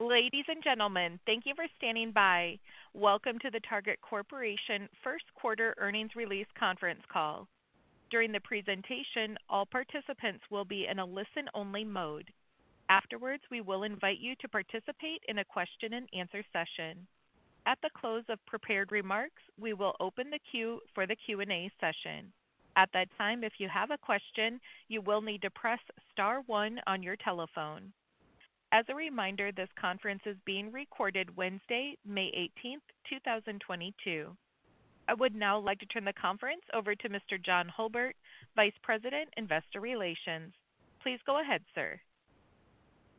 Ladies and gentlemen, thank you for standing by. Welcome to the Target Corporation first quarter earnings release conference call. During the presentation, all participants will be in a listen-only mode. Afterwards, we will invite you to participate in a question and answer session. At the close of prepared remarks, we will open the queue for the Q&A session. At that time, if you have a question, you will need to press star one on your telephone. As a reminder, this conference is being recorded Wednesday, May 18, 2022. I would now like to turn the conference over to Mr. John Hulbert, Vice President, Investor Relations. Please go ahead, sir.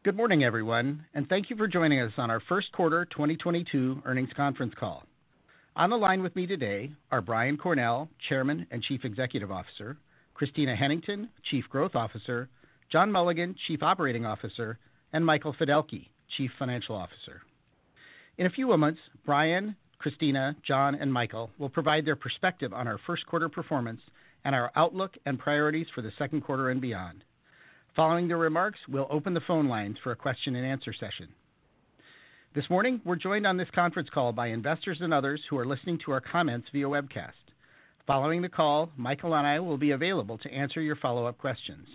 Good morning, everyone, and thank you for joining us on our first quarter 2022 earnings conference call. On the line with me today are Brian Cornell, Chairman and Chief Executive Officer, Christina Hennington, Chief Growth Officer, John Mulligan, Chief Operating Officer, and Michael Fiddelke, Chief Financial Officer. In a few moments, Brian, Christina, John, and Michael will provide their perspective on our first quarter performance and our outlook and priorities for the second quarter and beyond. Following the remarks, we'll open the phone lines for a question and answer session. This morning, we're joined on this conference call by investors and others who are listening to our comments via webcast. Following the call, Michael and I will be available to answer your follow-up questions.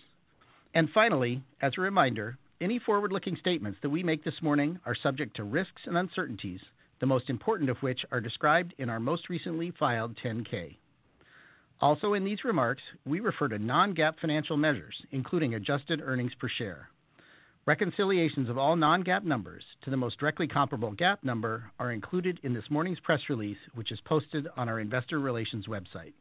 Finally, as a reminder, any forward-looking statements that we make this morning are subject to risks and uncertainties, the most important of which are described in our most recently filed 10-K. Also in these remarks, we refer to non-GAAP financial measures, including adjusted earnings per share. Reconciliations of all non-GAAP numbers to the most directly comparable GAAP number are included in this morning's press release, which is posted on our investor relations website.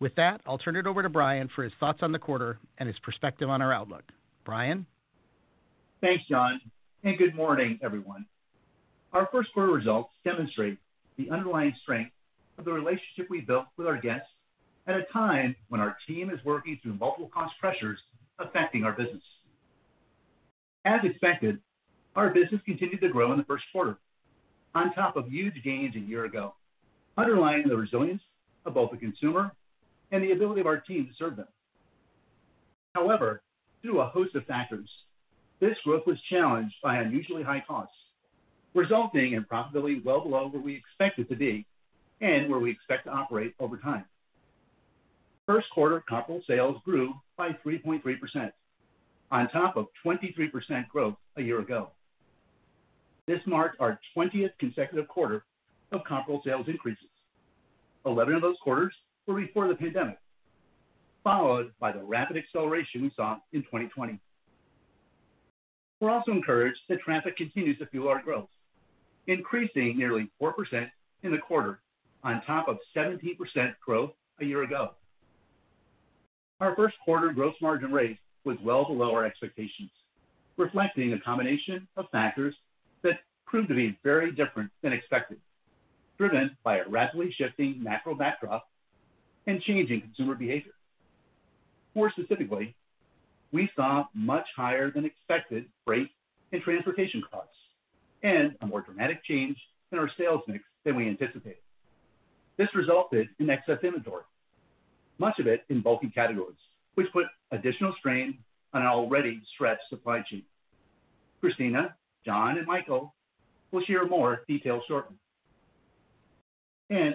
With that, I'll turn it over to Brian for his thoughts on the quarter and his perspective on our outlook. Brian? Thanks, John, and good morning, everyone. Our first quarter results demonstrate the underlying strength of the relationship we built with our guests at a time when our team is working through multiple cost pressures affecting our business. As expected, our business continued to grow in the first quarter on top of huge gains a year ago, underlying the resilience of both the consumer and the ability of our team to serve them. However, due to a host of factors, this growth was challenged by unusually high costs, resulting in profitability well below where we expect it to be and where we expect to operate over time. First quarter comparable sales grew by 3.3% on top of 23% growth a year ago. This marked our 20th consecutive quarter of comparable sales increases. 11 of those quarters were before the pandemic, followed by the rapid acceleration we saw in 2020. We're also encouraged that traffic continues to fuel our growth, increasing nearly 4% in the quarter on top of 17% growth a year ago. Our first quarter gross margin rate was well below our expectations, reflecting a combination of factors that proved to be very different than expected, driven by a rapidly shifting macro backdrop and changing consumer behavior. More specifically, we saw much higher than expected freight and transportation costs and a more dramatic change in our sales mix than we anticipated. This resulted in excess inventory, much of it in bulky categories, which put additional strain on an already stretched supply chain. Christina, John, and Michael will share more details shortly.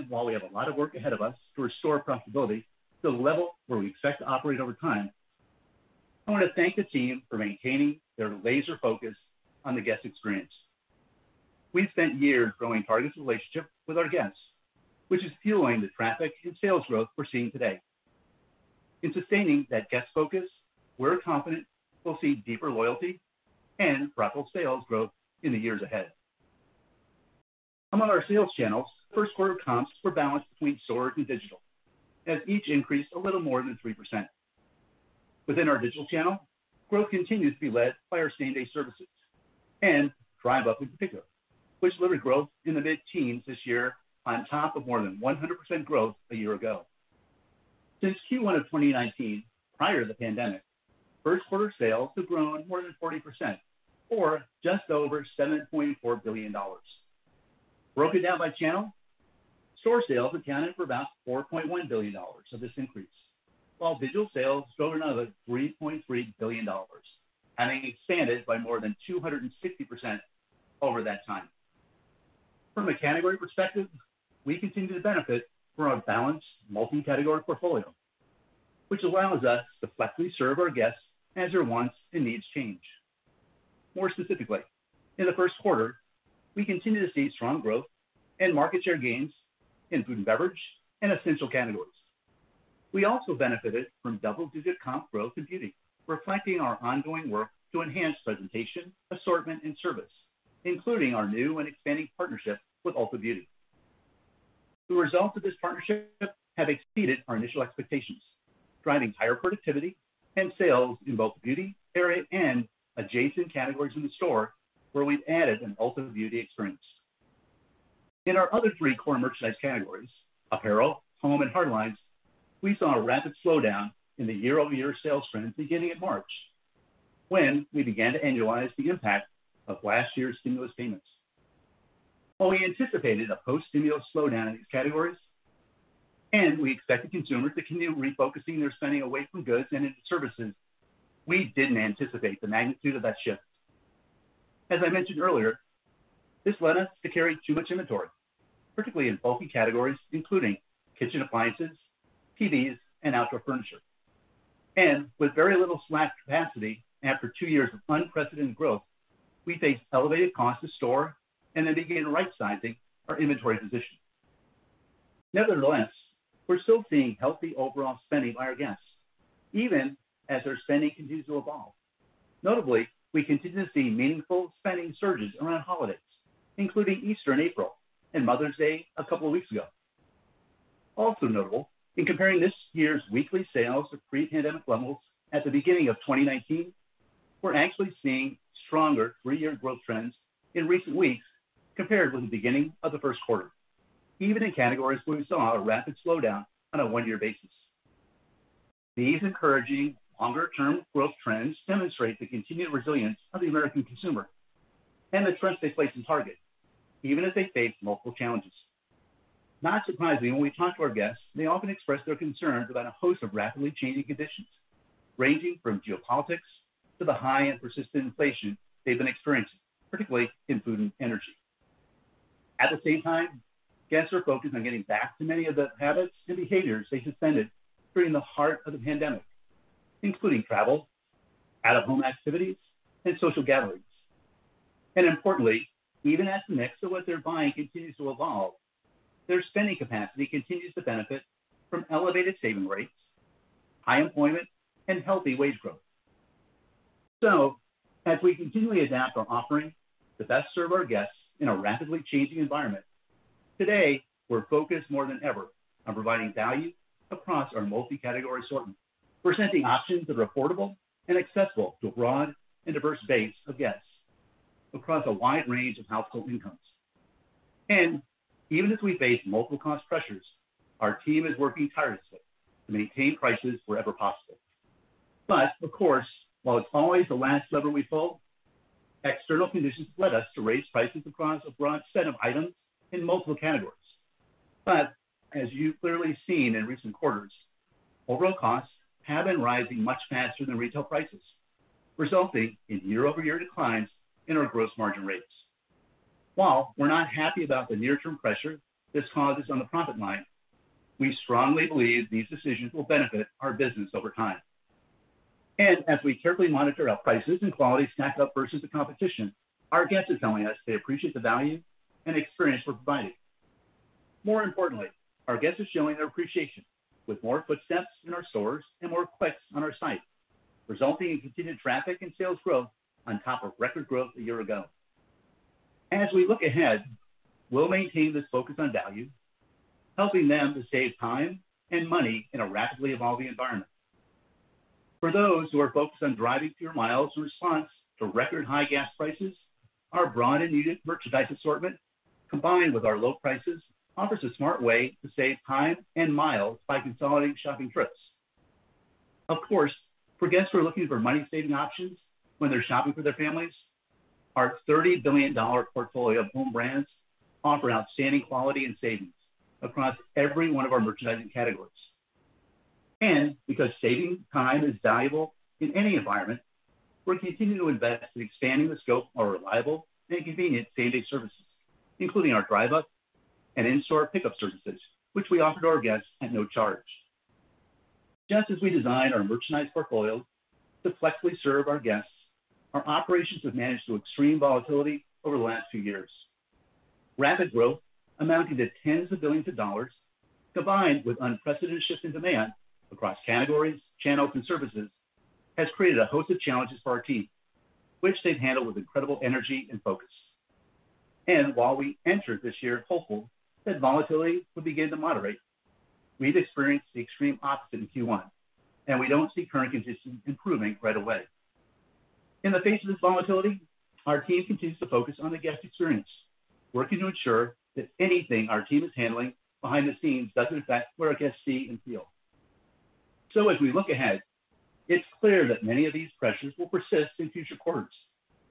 While we have a lot of work ahead of us to restore profitability to the level where we expect to operate over time, I wanna thank the team for maintaining their laser focus on the guest experience. We've spent years growing Target's relationship with our guests, which is fueling the traffic and sales growth we're seeing today. In sustaining that guest focus, we're confident we'll see deeper loyalty and profitable sales growth in the years ahead. Among our sales channels, first quarter comps were balanced between store and digital, as each increased a little more than 3%. Within our digital channel, growth continues to be led by our same-day services and Drive Up in particular, which delivered growth in the mid-teens this year on top of more than 100% growth a year ago. Since Q1 of 2019, prior to the pandemic, first quarter sales have grown more than 40% or just over $7.4 billion. Broken down by channel, store sales accounted for about $4.1 billion of this increase, while digital sales drove another $3.3 billion, having expanded by more than 260% over that time. From a category perspective, we continue to benefit from a balanced multi-category portfolio, which allows us to flexibly serve our guests as their wants and needs change. More specifically, in the first quarter, we continue to see strong growth and market share gains in food and beverage and essential categories. We also benefited from double-digit comp growth in beauty, reflecting our ongoing work to enhance presentation, assortment, and service, including our new and expanding partnership with Ulta Beauty. The results of this partnership have exceeded our initial expectations, driving higher productivity and sales in both beauty, hair, and adjacent categories in the store where we've added an Ulta Beauty experience. In our other three core merchandise categories, apparel, home, and hard lines, we saw a rapid slowdown in the year-over-year sales trend beginning in March, when we began to annualize the impact of last year's stimulus payments. While we anticipated a post-stimulus slowdown in these categories, and we expected consumers to continue refocusing their spending away from goods and into services, we didn't anticipate the magnitude of that shift. As I mentioned earlier, this led us to carry too much inventory, particularly in bulky categories including kitchen appliances, TVs, and outdoor furniture. With very little slack capacity after two years of unprecedented growth, we faced elevated cost to store and had to begin right-sizing our inventory position. Nevertheless, we're still seeing healthy overall spending by our guests, even as their spending continues to evolve. Notably, we continue to see meaningful spending surges around holidays, including Easter in April and Mother's Day a couple of weeks ago. Also notable, in comparing this year's weekly sales to pre-pandemic levels at the beginning of 2019, we're actually seeing stronger three-year growth trends in recent weeks compared with the beginning of the first quarter, even in categories where we saw a rapid slowdown on a one-year basis. These encouraging longer-term growth trends demonstrate the continued resilience of the American consumer and the trust they place in Target, even as they face multiple challenges. Not surprisingly, when we talk to our guests, they often express their concerns about a host of rapidly changing conditions, ranging from geopolitics to the high and persistent inflation they've been experiencing, particularly in food and energy. At the same time, guests are focused on getting back to many of the habits and behaviors they suspended during the heart of the pandemic, including travel, out-of-home activities, and social gatherings. Importantly, even as the mix of what they're buying continues to evolve, their spending capacity continues to benefit from elevated saving rates, high employment, and healthy wage growth. As we continually adapt our offering to best serve our guests in a rapidly changing environment, today we're focused more than ever on providing value across our multi-category assortment, presenting options that are affordable and accessible to a broad and diverse base of guests across a wide range of household incomes. Even as we face multiple cost pressures, our team is working tirelessly to maintain prices wherever possible. Of course, while it's always the last lever we pull, external conditions led us to raise prices across a broad set of items in multiple categories. As you've clearly seen in recent quarters, overall costs have been rising much faster than retail prices, resulting in year-over-year declines in our gross margin rates. While we're not happy about the near-term pressure this causes on the profit line, we strongly believe these decisions will benefit our business over time. As we carefully monitor our prices and quality stack up versus the competition, our guests are telling us they appreciate the value and experience we're providing. More importantly, our guests are showing their appreciation with more footsteps in our stores and more clicks on our site, resulting in continued traffic and sales growth on top of record growth a year ago. As we look ahead, we'll maintain this focus on value, helping them to save time and money in a rapidly evolving environment. For those who are focused on driving fewer miles in response to record high gas prices, our broad and needed merchandise assortment, combined with our low prices, offers a smart way to save time and miles by consolidating shopping trips. Of course, for guests who are looking for money-saving options when they're shopping for their families, our $30 billion portfolio of owned brands offers outstanding quality and savings across every one of our merchandising categories. Because saving time is valuable in any environment, we're continuing to invest in expanding the scope of our reliable and convenient same-day services, including our Drive Up and in-store pickup services, which we offer to our guests at no charge. Just as we design our merchandise portfolio to flexibly serve our guests, our operations have managed through extreme volatility over the last few years. Rapid growth amounting to tens of billions of dollars, combined with unprecedented shifts in demand across categories, channels, and services, has created a host of challenges for our team, which they've handled with incredible energy and focus. While we entered this year hopeful that volatility would begin to moderate, we've experienced the extreme opposite in Q1, and we don't see current conditions improving right away. In the face of this volatility, our team continues to focus on the guest experience, working to ensure that anything our team is handling behind the scenes doesn't affect what our guests see and feel. As we look ahead, it's clear that many of these pressures will persist in future quarters,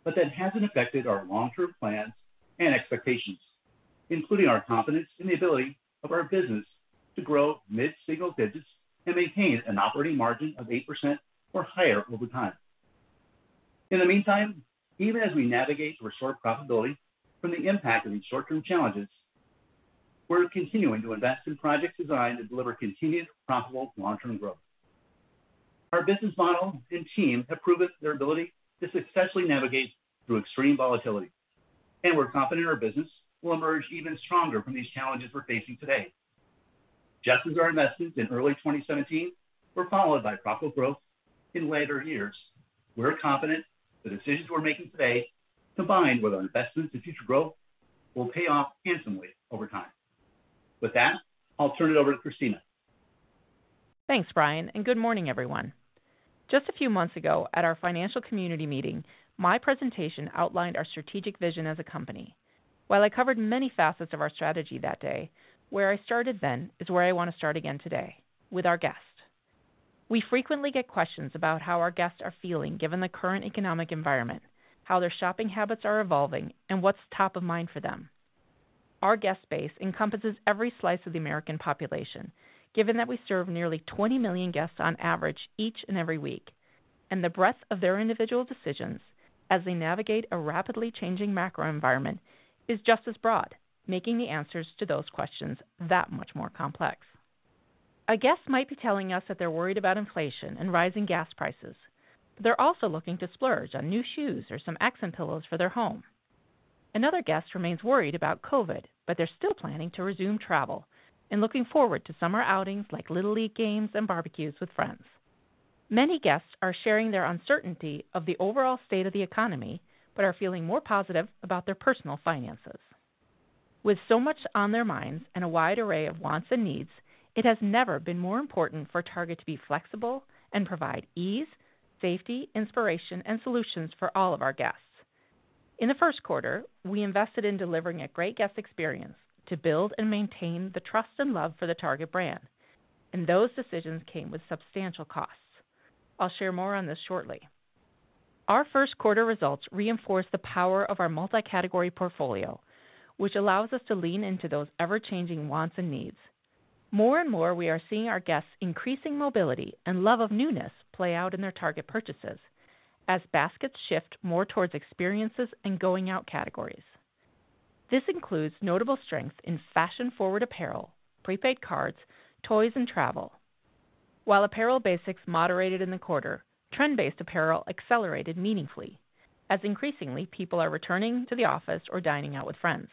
but that hasn't affected our long-term plans and expectations, including our confidence in the ability of our business to grow mid-single digits and maintain an operating margin of 8% or higher over time. In the meantime, even as we navigate to restore profitability from the impact of these short-term challenges, we're continuing to invest in projects designed to deliver continued profitable long-term growth. Our business model and team have proven their ability to successfully navigate through extreme volatility, and we're confident our business will emerge even stronger from these challenges we're facing today. Just as our investments in early 2017 were followed by profitable growth in later years, we're confident the decisions we're making today, combined with our investments in future growth, will pay off handsomely over time. With that, I'll turn it over to Christina. Thanks, Brian, and good morning, everyone. Just a few months ago at our financial community meeting, my presentation outlined our strategic vision as a company. While I covered many facets of our strategy that day, where I started then is where I wanna start again today, with our guests. We frequently get questions about how our guests are feeling given the current economic environment, how their shopping habits are evolving, and what's top of mind for them. Our guest base encompasses every slice of the American population, given that we serve nearly 20 million guests on average each and every week, and the breadth of their individual decisions as they navigate a rapidly changing macro environment is just as broad, making the answers to those questions that much more complex. A guest might be telling us that they're worried about inflation and rising gas prices. They're also looking to splurge on new shoes or some accent pillows for their home. Another guest remains worried about COVID, but they're still planning to resume travel and looking forward to summer outings like Little League games and barbecues with friends. Many guests are sharing their uncertainty of the overall state of the economy but are feeling more positive about their personal finances. With so much on their minds and a wide array of wants and needs, it has never been more important for Target to be flexible and provide ease, safety, inspiration and solutions for all of our guests. In the first quarter, we invested in delivering a great guest experience to build and maintain the trust and love for the Target brand, and those decisions came with substantial costs. I'll share more on this shortly. Our first quarter results reinforce the power of our multi-category portfolio, which allows us to lean into those ever-changing wants and needs. More and more, we are seeing our guests increasing mobility and love of newness play out in their Target purchases as baskets shift more towards experiences and going out categories. This includes notable strength in fashion-forward apparel, prepaid cards, toys, and travel. While apparel basics moderated in the quarter, trend-based apparel accelerated meaningfully as increasingly people are returning to the office or dining out with friends.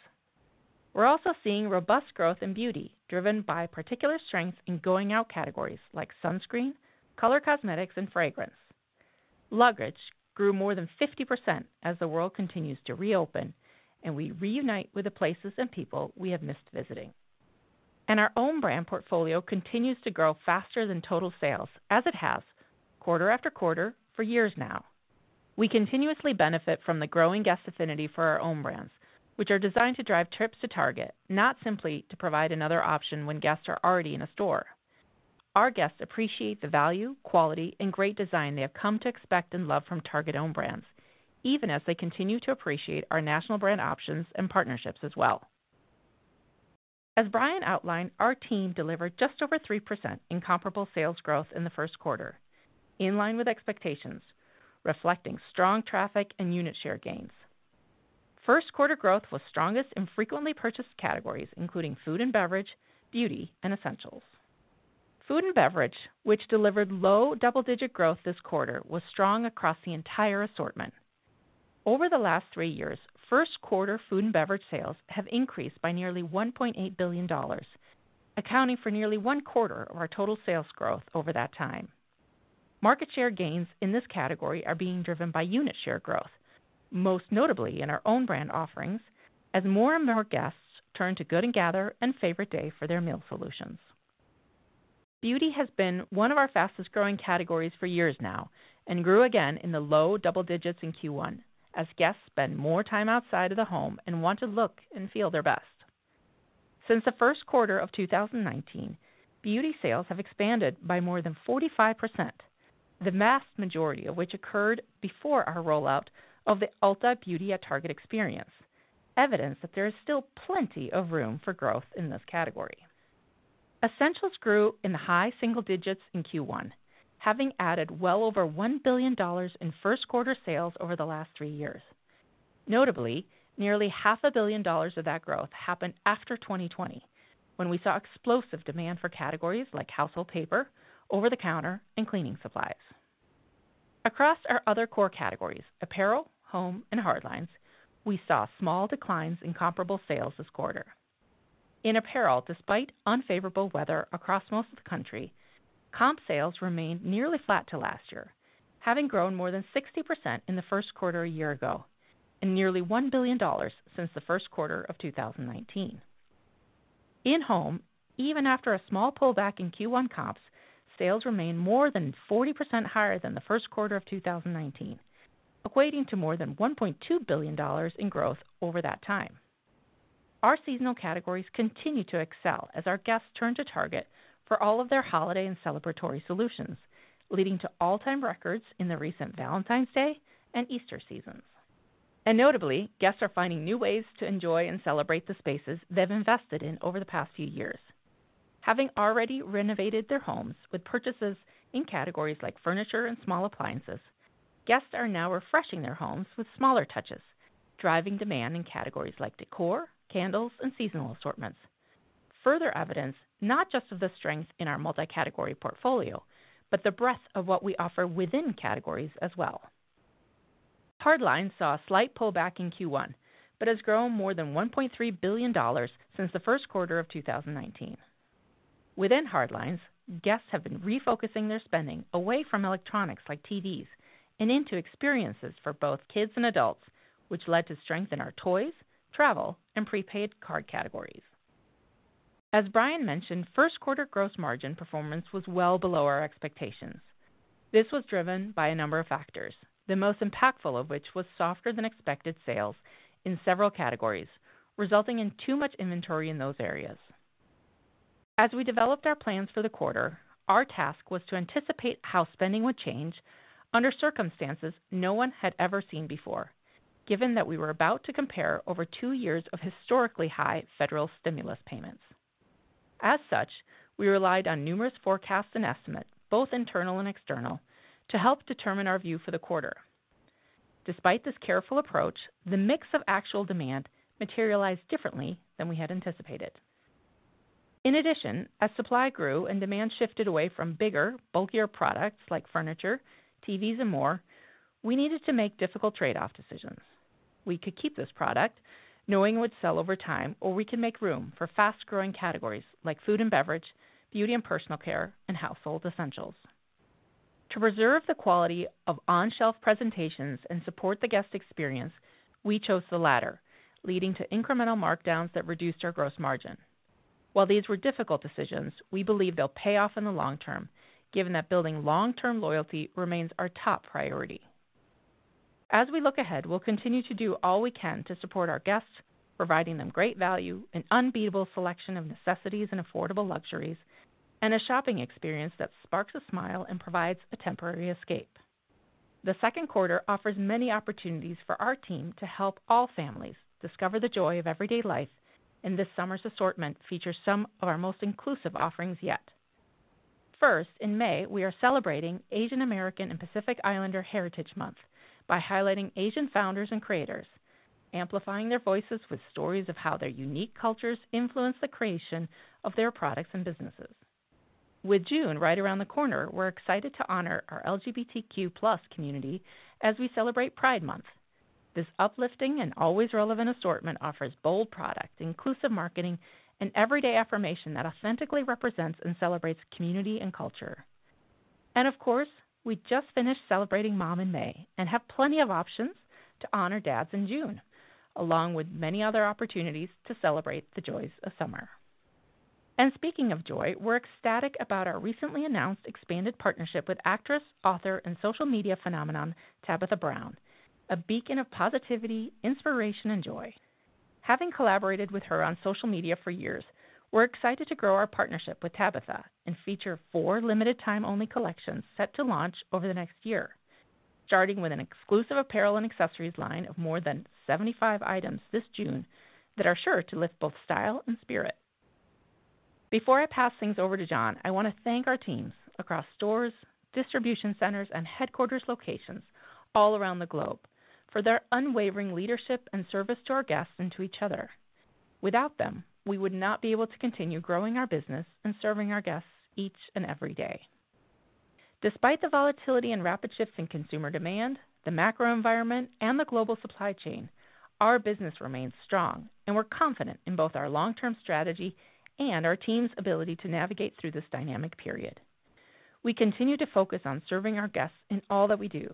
We're also seeing robust growth in beauty, driven by particular strength in going out categories like sunscreen, color cosmetics, and fragrance. Luggage grew more than 50% as the world continues to reopen and we reunite with the places and people we have missed visiting. Our own brand portfolio continues to grow faster than total sales as it has quarter after quarter for years now. We continuously benefit from the growing guest affinity for our own brands, which are designed to drive trips to Target, not simply to provide another option when guests are already in a store. Our guests appreciate the value, quality, and great design they have come to expect and love from Target Own Brands, even as they continue to appreciate our national brand options and partnerships as well. As Brian outlined, our team delivered just over 3% in comparable sales growth in the first quarter, in line with expectations, reflecting strong traffic and unit share gains. First quarter growth was strongest in frequently purchased categories including food and beverage, beauty and essentials. Food and beverage, which delivered low double-digit growth this quarter, was strong across the entire assortment. Over the last three years, first quarter food and beverage sales have increased by nearly $1.8 billion, accounting for nearly one quarter of our total sales growth over that time. Market share gains in this category are being driven by unit share growth, most notably in our own brand offerings as more and more guests turn to Good & Gather and Favorite Day for their meal solutions. Beauty has been one of our fastest-growing categories for years now and grew again in the low double digits in Q1 as guests spend more time outside of the home and want to look and feel their best. Since the first quarter of 2019, beauty sales have expanded by more than 45%, the vast majority of which occurred before our rollout of the Ulta Beauty at Target experience, evidence that there is still plenty of room for growth in this category. Essentials grew in the high single digits% in Q1, having added well over $1 billion in first quarter sales over the last three years. Notably, nearly half a billion dollars of that growth happened after 2020, when we saw explosive demand for categories like household paper, over-the-counter and cleaning supplies. Across our other core categories, apparel, home and hard lines, we saw small declines in comparable sales this quarter. In apparel, despite unfavorable weather across most of the country, comp sales remained nearly flat to last year, having grown more than 60% in the first quarter a year ago and nearly $1 billion since the first quarter of 2019. In home, even after a small pullback in Q1 comps, sales remain more than 40% higher than the first quarter of 2019, equating to more than $1.2 billion in growth over that time. Our seasonal categories continue to excel as our guests turn to Target for all of their holiday and celebratory solutions, leading to all-time records in the recent Valentine's Day and Easter seasons. Notably, guests are finding new ways to enjoy and celebrate the spaces they've invested in over the past few years. Having already renovated their homes with purchases in categories like furniture and small appliances, guests are now refreshing their homes with smaller touches, driving demand in categories like decor, candles, and seasonal assortments. Further evidence, not just of the strength in our multi-category portfolio, but the breadth of what we offer within categories as well. Hardlines saw a slight pullback in Q1, but has grown more than $1.3 billion since the first quarter of 2019. Within hardlines, guests have been refocusing their spending away from electronics like TVs and into experiences for both kids and adults, which led to strength in our toys, travel, and prepaid card categories. As Brian mentioned, first quarter gross margin performance was well below our expectations. This was driven by a number of factors, the most impactful of which was softer than expected sales in several categories, resulting in too much inventory in those areas. As we developed our plans for the quarter, our task was to anticipate how spending would change under circumstances no one had ever seen before, given that we were about to compare over two years of historically high federal stimulus payments. As such, we relied on numerous forecasts and estimates, both internal and external, to help determine our view for the quarter. Despite this careful approach, the mix of actual demand materialized differently than we had anticipated. In addition, as supply grew and demand shifted away from bigger, bulkier products like furniture, TVs, and more, we needed to make difficult trade-off decisions. We could keep this product knowing it would sell over time, or we can make room for fast-growing categories like food and beverage, beauty and personal care, and household essentials. To preserve the quality of on-shelf presentations and support the guest experience, we chose the latter, leading to incremental markdowns that reduced our gross margin. While these were difficult decisions, we believe they'll pay off in the long term, given that building long-term loyalty remains our top priority. As we look ahead, we'll continue to do all we can to support our guests, providing them great value and unbeatable selection of necessities and affordable luxuries, and a shopping experience that sparks a smile and provides a temporary escape. The second quarter offers many opportunities for our team to help all families discover the joy of everyday life, and this summer's assortment features some of our most inclusive offerings yet. First, in May, we are celebrating Asian American and Pacific Islander Heritage Month by highlighting Asian founders and creators, amplifying their voices with stories of how their unique cultures influenced the creation of their products and businesses. With June right around the corner, we're excited to honor our LGBTQ plus community as we celebrate Pride Month. This uplifting and always relevant assortment offers bold product, inclusive marketing, and everyday affirmation that authentically represents and celebrates community and culture. Of course, we just finished celebrating Mom in May and have plenty of options to honor Dads in June, along with many other opportunities to celebrate the joys of summer. Speaking of joy, we're ecstatic about our recently announced expanded partnership with actress, author, and social media phenomenon, Tabitha Brown, a beacon of positivity, inspiration, and joy. Having collaborated with her on social media for years, we're excited to grow our partnership with Tabitha and feature four limited time-only collections set to launch over the next year, starting with an exclusive apparel and accessories line of more than 75 items this June that are sure to lift both style and spirit. Before I pass things over to John, I wanna thank our teams across stores, distribution centers, and headquarters locations all around the globe for their unwavering leadership and service to our guests and to each other. Without them, we would not be able to continue growing our business and serving our guests each and every day. Despite the volatility and rapid shifts in consumer demand, the macro environment, and the global supply chain, our business remains strong, and we're confident in both our long-term strategy and our team's ability to navigate through this dynamic period. We continue to focus on serving our guests in all that we do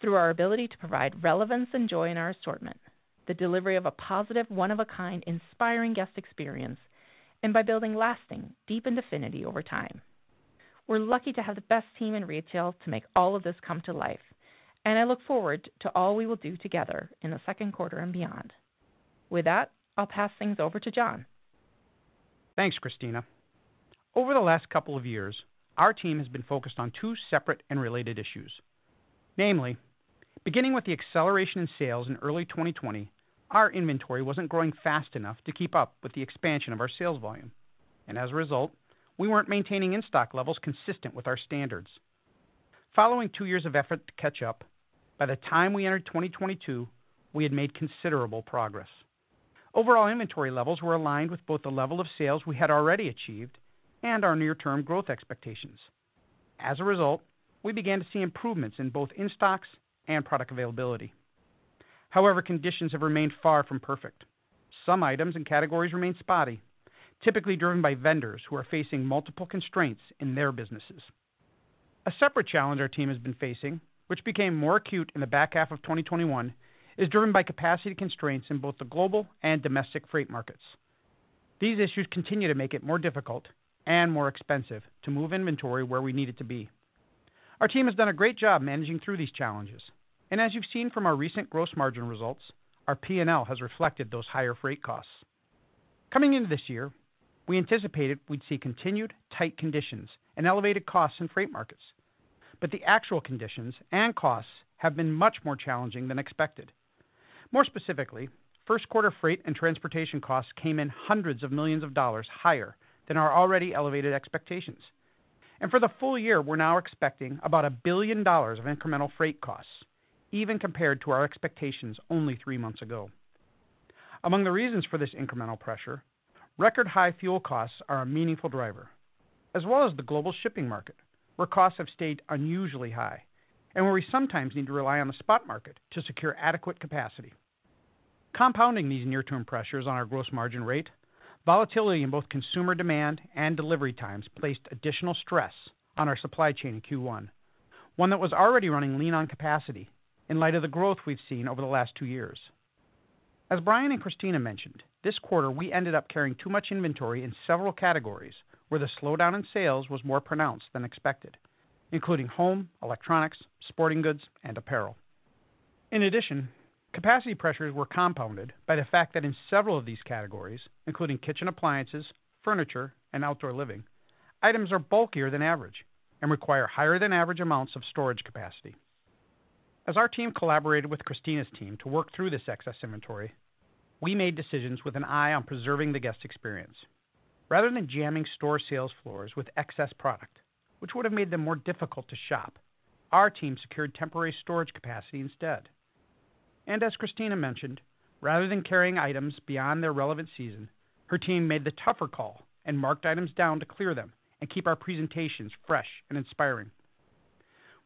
through our ability to provide relevance and joy in our assortment, the delivery of a positive, one of a kind, inspiring guest experience, and by building lasting deepened affinity over time. We're lucky to have the best team in retail to make all of this come to life, and I look forward to all we will do together in the second quarter and beyond. With that, I'll pass things over to John. Thanks, Christina. Over the last couple of years, our team has been focused on two separate and related issues. Namely, beginning with the acceleration in sales in early 2020, our inventory wasn't growing fast enough to keep up with the expansion of our sales volume. As a result, we weren't maintaining in-stock levels consistent with our standards. Following two years of effort to catch up, by the time we entered 2022, we had made considerable progress. Overall inventory levels were aligned with both the level of sales we had already achieved and our near-term growth expectations. As a result, we began to see improvements in both in-stocks and product availability. However, conditions have remained far from perfect. Some items and categories remain spotty, typically driven by vendors who are facing multiple constraints in their businesses. A separate challenge our team has been facing, which became more acute in the back half of 2021, is driven by capacity constraints in both the global and domestic freight markets. These issues continue to make it more difficult and more expensive to move inventory where we need it to be. Our team has done a great job managing through these challenges. As you've seen from our recent gross margin results, our P&L has reflected those higher freight costs. Coming into this year, we anticipated we'd see continued tight conditions and elevated costs in freight markets, but the actual conditions and costs have been much more challenging than expected. More specifically, first quarter freight and transportation costs came in hundreds of millions of dollars higher than our already elevated expectations. For the full year, we're now expecting about $1 billion of incremental freight costs, even compared to our expectations only three months ago. Among the reasons for this incremental pressure, record high fuel costs are a meaningful driver, as well as the global shipping market, where costs have stayed unusually high and where we sometimes need to rely on the spot market to secure adequate capacity. Compounding these near-term pressures on our gross margin rate, volatility in both consumer demand and delivery times placed additional stress on our supply chain in Q1, one that was already running lean on capacity in light of the growth we've seen over the last two years. As Brian and Christina mentioned, this quarter we ended up carrying too much inventory in several categories where the slowdown in sales was more pronounced than expected, including home, electronics, sporting goods and apparel. In addition, capacity pressures were compounded by the fact that in several of these categories, including kitchen appliances, furniture and outdoor living, items are bulkier than average and require higher than average amounts of storage capacity. As our team collaborated with Christina's team to work through this excess inventory, we made decisions with an eye on preserving the guest experience. Rather than jamming store sales floors with excess product, which would have made them more difficult to shop, our team secured temporary storage capacity instead. As Christina mentioned, rather than carrying items beyond their relevant season, her team made the tougher call and marked items down to clear them and keep our presentations fresh and inspiring.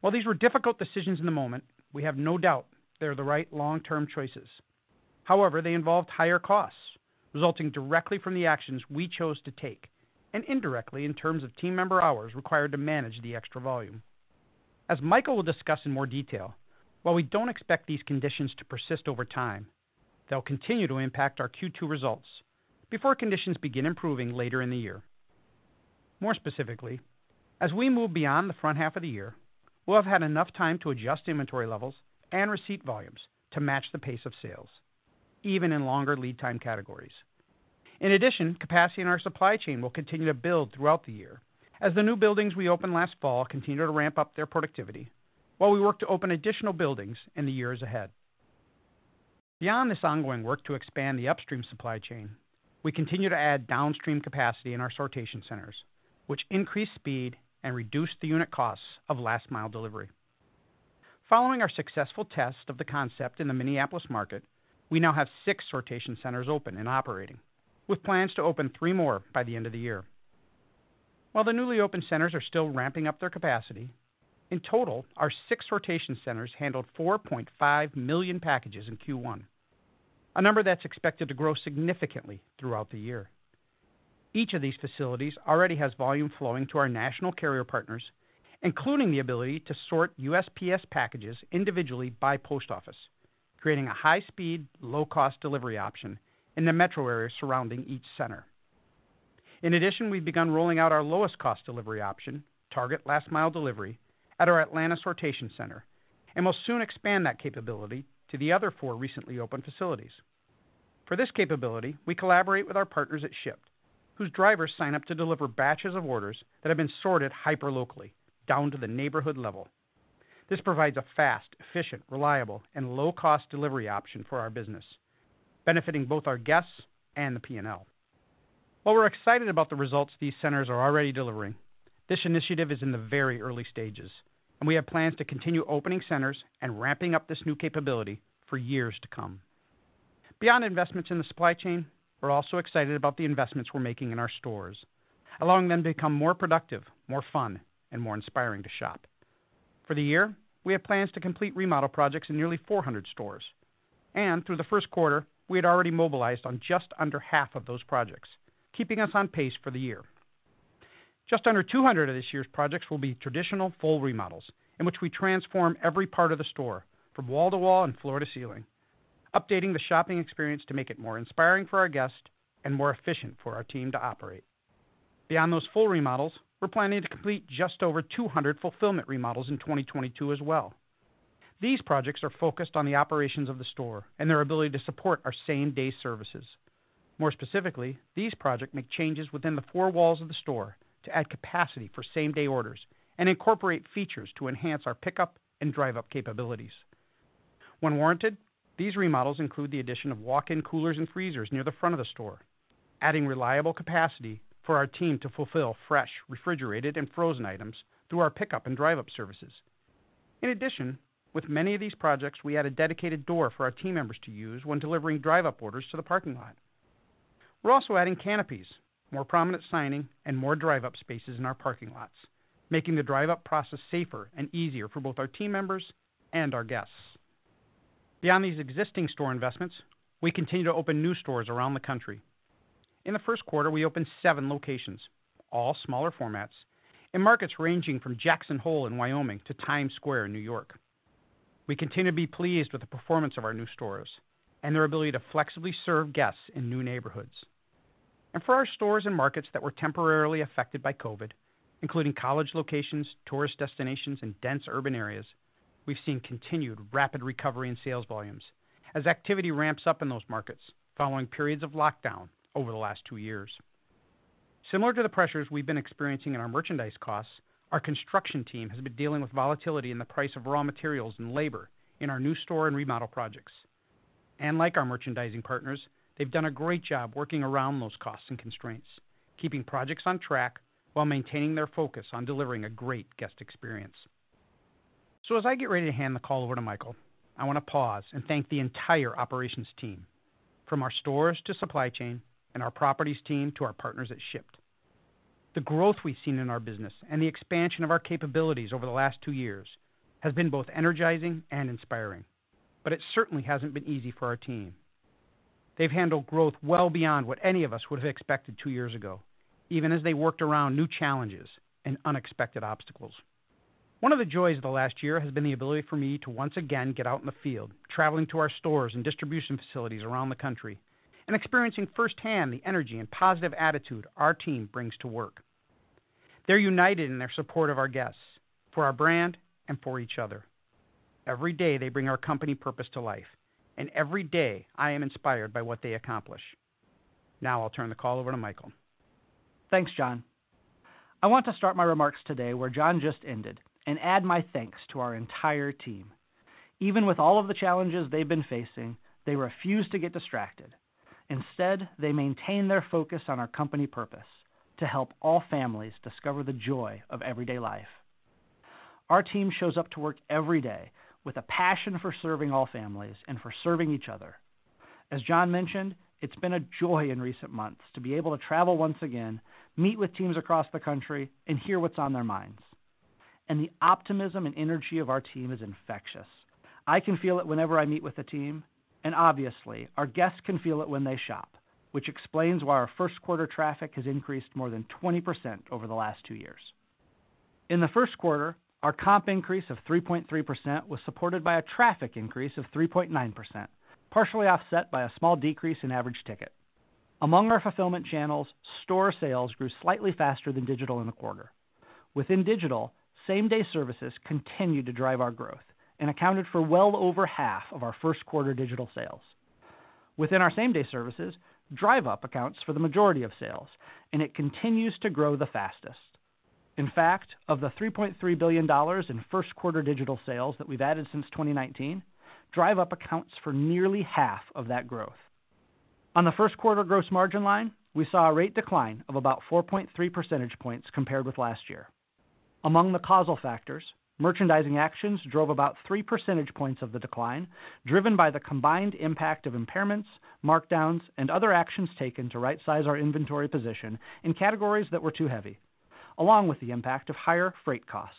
While these were difficult decisions in the moment, we have no doubt they are the right long-term choices. However, they involved higher costs resulting directly from the actions we chose to take, and indirectly in terms of team member hours required to manage the extra volume. As Michael will discuss in more detail, while we don't expect these conditions to persist over time, they'll continue to impact our Q2 results before conditions begin improving later in the year. More specifically, as we move beyond the front half of the year, we'll have had enough time to adjust inventory levels and receipt volumes to match the pace of sales, even in longer lead time categories. In addition, capacity in our supply chain will continue to build throughout the year as the new buildings we opened last fall continue to ramp up their productivity while we work to open additional buildings in the years ahead. Beyond this ongoing work to expand the upstream supply chain, we continue to add downstream capacity in our sortation centers, which increase speed and reduce the unit costs of last mile delivery. Following our successful test of the concept in the Minneapolis market, we now have six sortation centers open and operating, with plans to open three more by the end of the year. While the newly opened centers are still ramping up their capacity, in total, our 6 sortation centers handled 4.5 million packages in Q1, a number that's expected to grow significantly throughout the year. Each of these facilities already has volume flowing to our national carrier partners, including the ability to sort USPS packages individually by post office, creating a high-speed, low-cost delivery option in the metro area surrounding each center. In addition, we've begun rolling out our lowest cost delivery option, Target Last Mile Delivery, at our Atlanta sortation center, and will soon expand that capability to the other four recently opened facilities. For this capability, we collaborate with our partners at Shipt, whose drivers sign up to deliver batches of orders that have been sorted hyper-locally down to the neighborhood level. This provides a fast, efficient, reliable and low-cost delivery option for our business, benefiting both our guests and the P&L. While we're excited about the results these centers are already delivering, this initiative is in the very early stages, and we have plans to continue opening centers and ramping up this new capability for years to come. Beyond investments in the supply chain, we're also excited about the investments we're making in our stores, allowing them to become more productive, more fun and more inspiring to shop. For the year, we have plans to complete remodel projects in nearly 400 stores, and through the first quarter we had already mobilized on just under half of those projects, keeping us on pace for the year. Just under 200 of this year's projects will be traditional full remodels in which we transform every part of the store from wall to wall and floor to ceiling, updating the shopping experience to make it more inspiring for our guests and more efficient for our team to operate. Beyond those full remodels, we're planning to complete just over 200 fulfillment remodels in 2022 as well. These projects are focused on the operations of the store and their ability to support our same-day services. More specifically, these projects make changes within the four walls of the store to add capacity for same-day orders and incorporate features to enhance our pickup and Drive Up capabilities. When warranted, these remodels include the addition of walk-in coolers and freezers near the front of the store, adding reliable capacity for our team to fulfill fresh, refrigerated and frozen items through our pickup and Drive Up services. In addition, with many of these projects, we add a dedicated door for our team members to use when delivering Drive Up orders to the parking lot. We're also adding canopies, more prominent signage and more Drive Up spaces in our parking lots, making the Drive Up process safer and easier for both our team members and our guests. Beyond these existing store investments, we continue to open new stores around the country. In the first quarter, we opened seven locations, all smaller formats in markets ranging from Jackson Hole in Wyoming to Times Square in New York. We continue to be pleased with the performance of our new stores and their ability to flexibly serve guests in new neighborhoods. For our stores and markets that were temporarily affected by COVID, including college locations, tourist destinations, and dense urban areas, we've seen continued rapid recovery in sales volumes as activity ramps up in those markets following periods of lockdown over the last two years. Similar to the pressures we've been experiencing in our merchandise costs, our construction team has been dealing with volatility in the price of raw materials and labor in our new store and remodel projects. Like our merchandising partners, they've done a great job working around those costs and constraints, keeping projects on track while maintaining their focus on delivering a great guest experience. As I get ready to hand the call over to Michael, I want to pause and thank the entire operations team from our stores to supply chain and our properties team to our partners at Shipt. The growth we've seen in our business and the expansion of our capabilities over the last two years has been both energizing and inspiring. It certainly hasn't been easy for our team. They've handled growth well beyond what any of us would have expected two years ago, even as they worked around new challenges and unexpected obstacles. One of the joys of the last year has been the ability for me to once again get out in the field, traveling to our stores and distribution facilities around the country and experiencing firsthand the energy and positive attitude our team brings to work. They're united in their support of our guests, for our brand, and for each other. Every day, they bring our company purpose to life, and every day, I am inspired by what they accomplish. Now I'll turn the call over to Michael. Thanks, John. I want to start my remarks today where John just ended and add my thanks to our entire team. Even with all of the challenges they've been facing, they refuse to get distracted. Instead, they maintain their focus on our company purpose, to help all families discover the joy of everyday life. Our team shows up to work every day with a passion for serving all families and for serving each other. As John mentioned, it's been a joy in recent months to be able to travel once again, meet with teams across the country, and hear what's on their minds. The optimism and energy of our team is infectious. I can feel it whenever I meet with the team, and obviously, our guests can feel it when they shop, which explains why our first quarter traffic has increased more than 20% over the last two years. In the first quarter, our comp increase of 3.3% was supported by a traffic increase of 3.9%, partially offset by a small decrease in average ticket. Among our fulfillment channels, store sales grew slightly faster than digital in the quarter. Within digital, same-day services continued to drive our growth and accounted for well over half of our first quarter digital sales. Within our same-day services, Drive Up accounts for the majority of sales, and it continues to grow the fastest. In fact, of the $3.3 billion in first quarter digital sales that we've added since 2019, Drive Up accounts for nearly half of that growth. On the first quarter gross margin line, we saw a rate decline of about 4.3 percentage points compared with last year. Among the causal factors, merchandising actions drove about 3 percentage points of the decline, driven by the combined impact of impairments, markdowns, and other actions taken to rightsize our inventory position in categories that were too heavy, along with the impact of higher freight costs.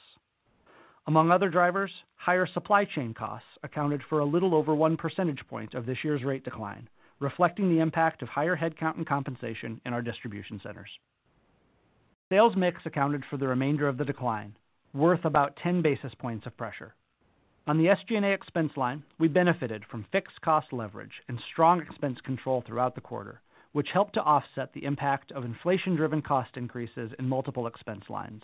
Among other drivers, higher supply chain costs accounted for a little over 1 percentage point of this year's rate decline, reflecting the impact of higher headcount and compensation in our distribution centers. Sales mix accounted for the remainder of the decline, worth about 10 basis points of pressure. On the SG&A expense line, we benefited from fixed cost leverage and strong expense control throughout the quarter, which helped to offset the impact of inflation-driven cost increases in multiple expense lines.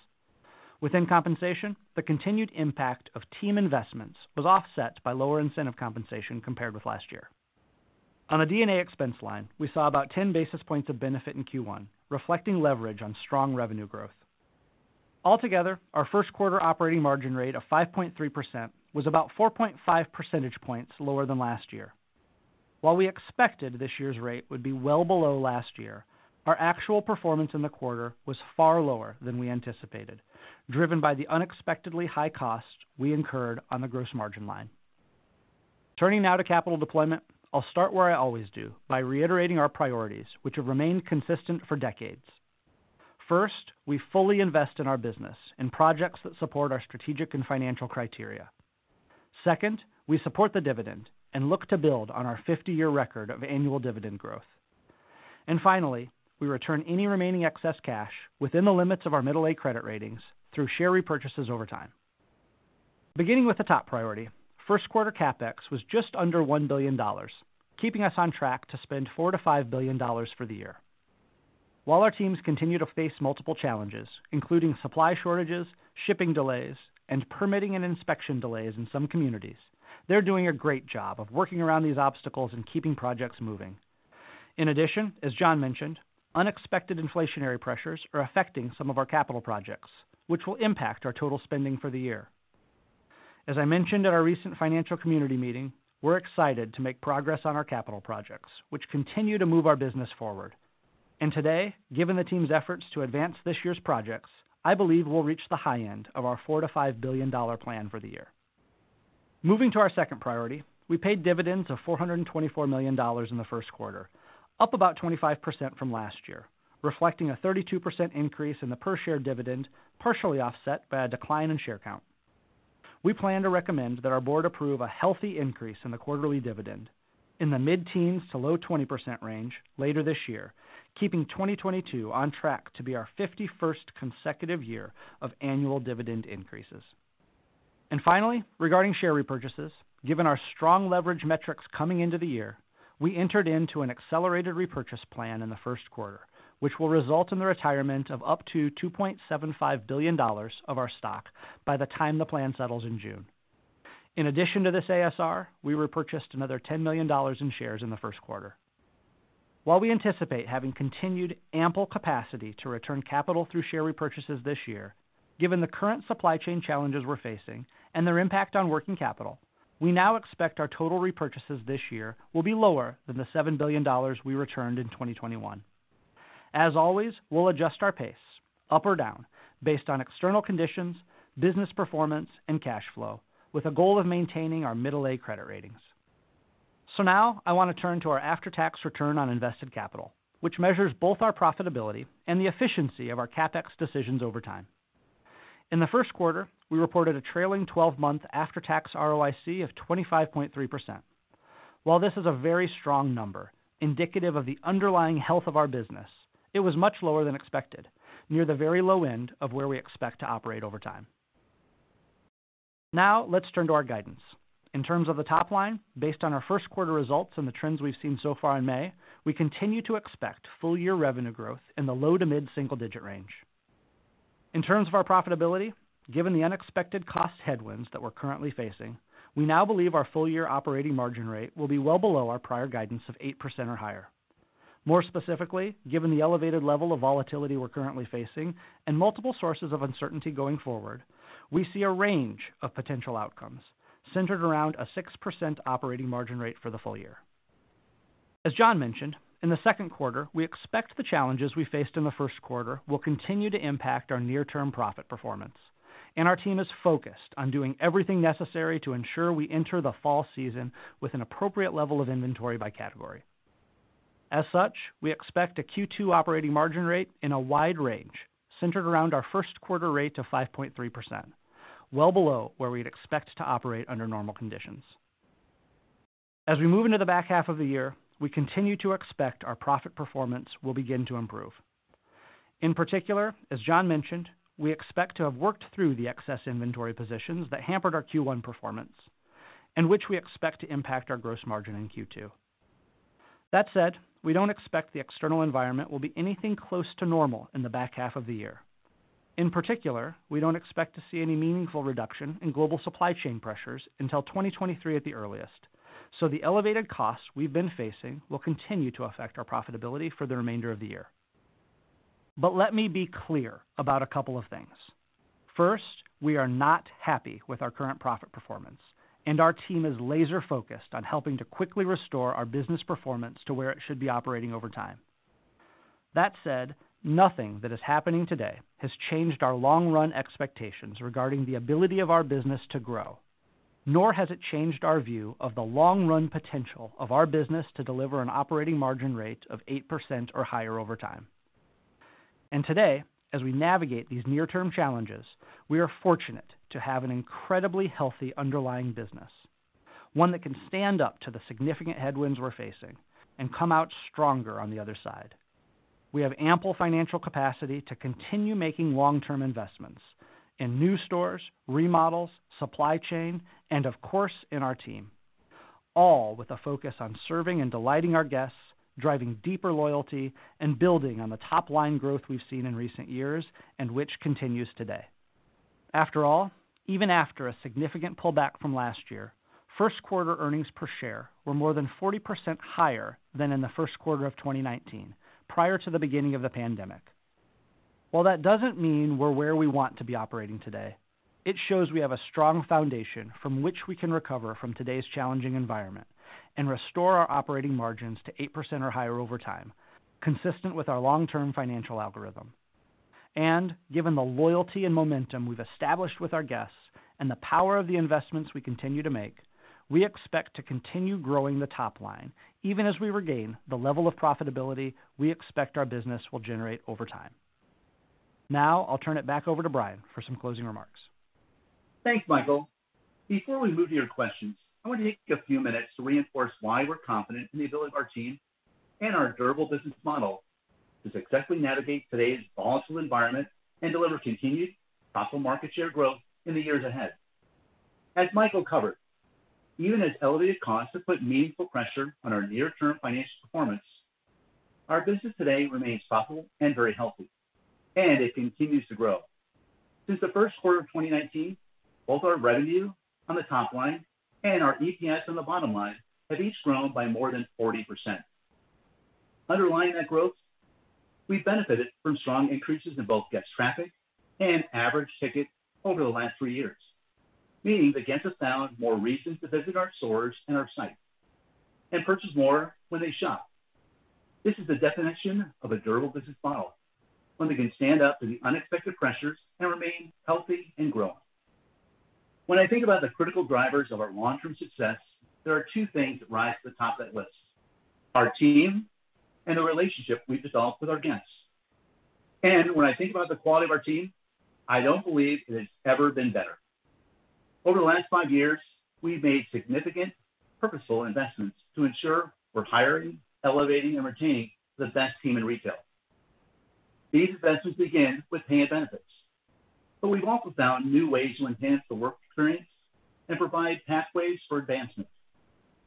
Within compensation, the continued impact of team investments was offset by lower incentive compensation compared with last year. On the D&A expense line, we saw about 10 basis points of benefit in Q1, reflecting leverage on strong revenue growth. Altogether, our first quarter operating margin rate of 5.3% was about 4.5 percentage points lower than last year. While we expected this year's rate would be well below last year, our actual performance in the quarter was far lower than we anticipated, driven by the unexpectedly high cost we incurred on the gross margin line. Turning now to capital deployment, I'll start where I always do by reiterating our priorities, which have remained consistent for decades. First, we fully invest in our business in projects that support our strategic and financial criteria. Second, we support the dividend and look to build on our 50-year record of annual dividend growth. Finally, we return any remaining excess cash within the limits of our middle A credit ratings through share repurchases over time. Beginning with the top priority, first quarter CapEx was just under $1 billion, keeping us on track to spend $4 billion-$5 billion for the year. While our teams continue to face multiple challenges, including supply shortages, shipping delays, and permitting and inspection delays in some communities, they're doing a great job of working around these obstacles and keeping projects moving. In addition, as John mentioned, unexpected inflationary pressures are affecting some of our capital projects, which will impact our total spending for the year. As I mentioned at our recent financial community meeting, we're excited to make progress on our capital projects, which continue to move our business forward. Today, given the team's efforts to advance this year's projects, I believe we'll reach the high end of our $4-$5 billion plan for the year. Moving to our second priority, we paid dividends of $424 million in the first quarter, up about 25% from last year, reflecting a 32% increase in the per-share dividend, partially offset by a decline in share count. We plan to recommend that our board approve a healthy increase in the quarterly dividend in the mid-teens to low-20% range later this year, keeping 2022 on track to be our 51st consecutive year of annual dividend increases. Finally, regarding share repurchases, given our strong leverage metrics coming into the year, we entered into an accelerated repurchase plan in the first quarter, which will result in the retirement of up to $2.75 billion of our stock by the time the plan settles in June. In addition to this ASR, we repurchased another $10 million in shares in the first quarter. While we anticipate having continued ample capacity to return capital through share repurchases this year, given the current supply chain challenges we're facing and their impact on working capital, we now expect our total repurchases this year will be lower than the $7 billion we returned in 2021. As always, we'll adjust our pace up or down based on external conditions, business performance, and cash flow with a goal of maintaining our middle A credit ratings. Now I want to turn to our after-tax return on invested capital, which measures both our profitability and the efficiency of our CapEx decisions over time. In the first quarter, we reported a trailing twelve-month after-tax ROIC of 25.3%. While this is a very strong number, indicative of the underlying health of our business, it was much lower than expected, near the very low end of where we expect to operate over time. Now, let's turn to our guidance. In terms of the top line, based on our first quarter results and the trends we've seen so far in May, we continue to expect full-year revenue growth in the low to mid-single digit range. In terms of our profitability, given the unexpected cost headwinds that we're currently facing, we now believe our full-year operating margin rate will be well below our prior guidance of 8% or higher. More specifically, given the elevated level of volatility we're currently facing and multiple sources of uncertainty going forward, we see a range of potential outcomes centered around a 6% operating margin rate for the full year. As John mentioned, in the second quarter, we expect the challenges we faced in the first quarter will continue to impact our near-term profit performance, and our team is focused on doing everything necessary to ensure we enter the fall season with an appropriate level of inventory by category. As such, we expect a Q2 operating margin rate in a wide range, centered around our first quarter rate of 5.3%, well below where we'd expect to operate under normal conditions. As we move into the back half of the year, we continue to expect our profit performance will begin to improve. In particular, as John mentioned, we expect to have worked through the excess inventory positions that hampered our Q1 performance and which we expect to impact our gross margin in Q2. That said, we don't expect the external environment will be anything close to normal in the back half of the year. In particular, we don't expect to see any meaningful reduction in global supply chain pressures until 2023 at the earliest. The elevated costs we've been facing will continue to affect our profitability for the remainder of the year. Let me be clear about a couple of things. First, we are not happy with our current profit performance, and our team is laser-focused on helping to quickly restore our business performance to where it should be operating over time. That said, nothing that is happening today has changed our long run expectations regarding the ability of our business to grow, nor has it changed our view of the long run potential of our business to deliver an operating margin rate of 8% or higher over time. Today, as we navigate these near-term challenges, we are fortunate to have an incredibly healthy underlying business, one that can stand up to the significant headwinds we're facing and come out stronger on the other side. We have ample financial capacity to continue making long-term investments in new stores, remodels, supply chain, and of course, in our team, all with a focus on serving and delighting our guests, driving deeper loyalty, and building on the top-line growth we've seen in recent years and which continues today. After all, even after a significant pullback from last year, first quarter earnings per share were more than 40% higher than in the first quarter of 2019, prior to the beginning of the pandemic. While that doesn't mean we're where we want to be operating today, it shows we have a strong foundation from which we can recover from today's challenging environment and restore our operating margins to 8% or higher over time, consistent with our long-term financial algorithm. Given the loyalty and momentum we've established with our guests and the power of the investments we continue to make, we expect to continue growing the top line even as we regain the level of profitability we expect our business will generate over time. Now I'll turn it back over to Brian for some closing remarks. Thanks, Michael. Before we move to your questions, I want to take a few minutes to reinforce why we're confident in the ability of our team and our durable business model to successfully navigate today's volatile environment and deliver continued profitable market share growth in the years ahead. As Michael covered, even as elevated costs have put meaningful pressure on our near-term financial performance, our business today remains profitable and very healthy, and it continues to grow. Since the first quarter of 2019, both our revenue on the top line and our EPS on the bottom line have each grown by more than 40%. Underlying that growth, we've benefited from strong increases in both guest traffic and average ticket over the last three years, meaning that guests have found more reasons to visit our stores and our sites and purchase more when they shop. This is the definition of a durable business model, one that can stand up to the unexpected pressures and remain healthy and growing. When I think about the critical drivers of our long-term success, there are two things that rise to the top of that list, our team and the relationship we've developed with our guests. When I think about the quality of our team, I don't believe it has ever been better. Over the last five years, we've made significant purposeful investments to ensure we're hiring, elevating, and retaining the best team in retail. These investments begin with pay and benefits, but we've also found new ways to enhance the work experience and provide pathways for advancement,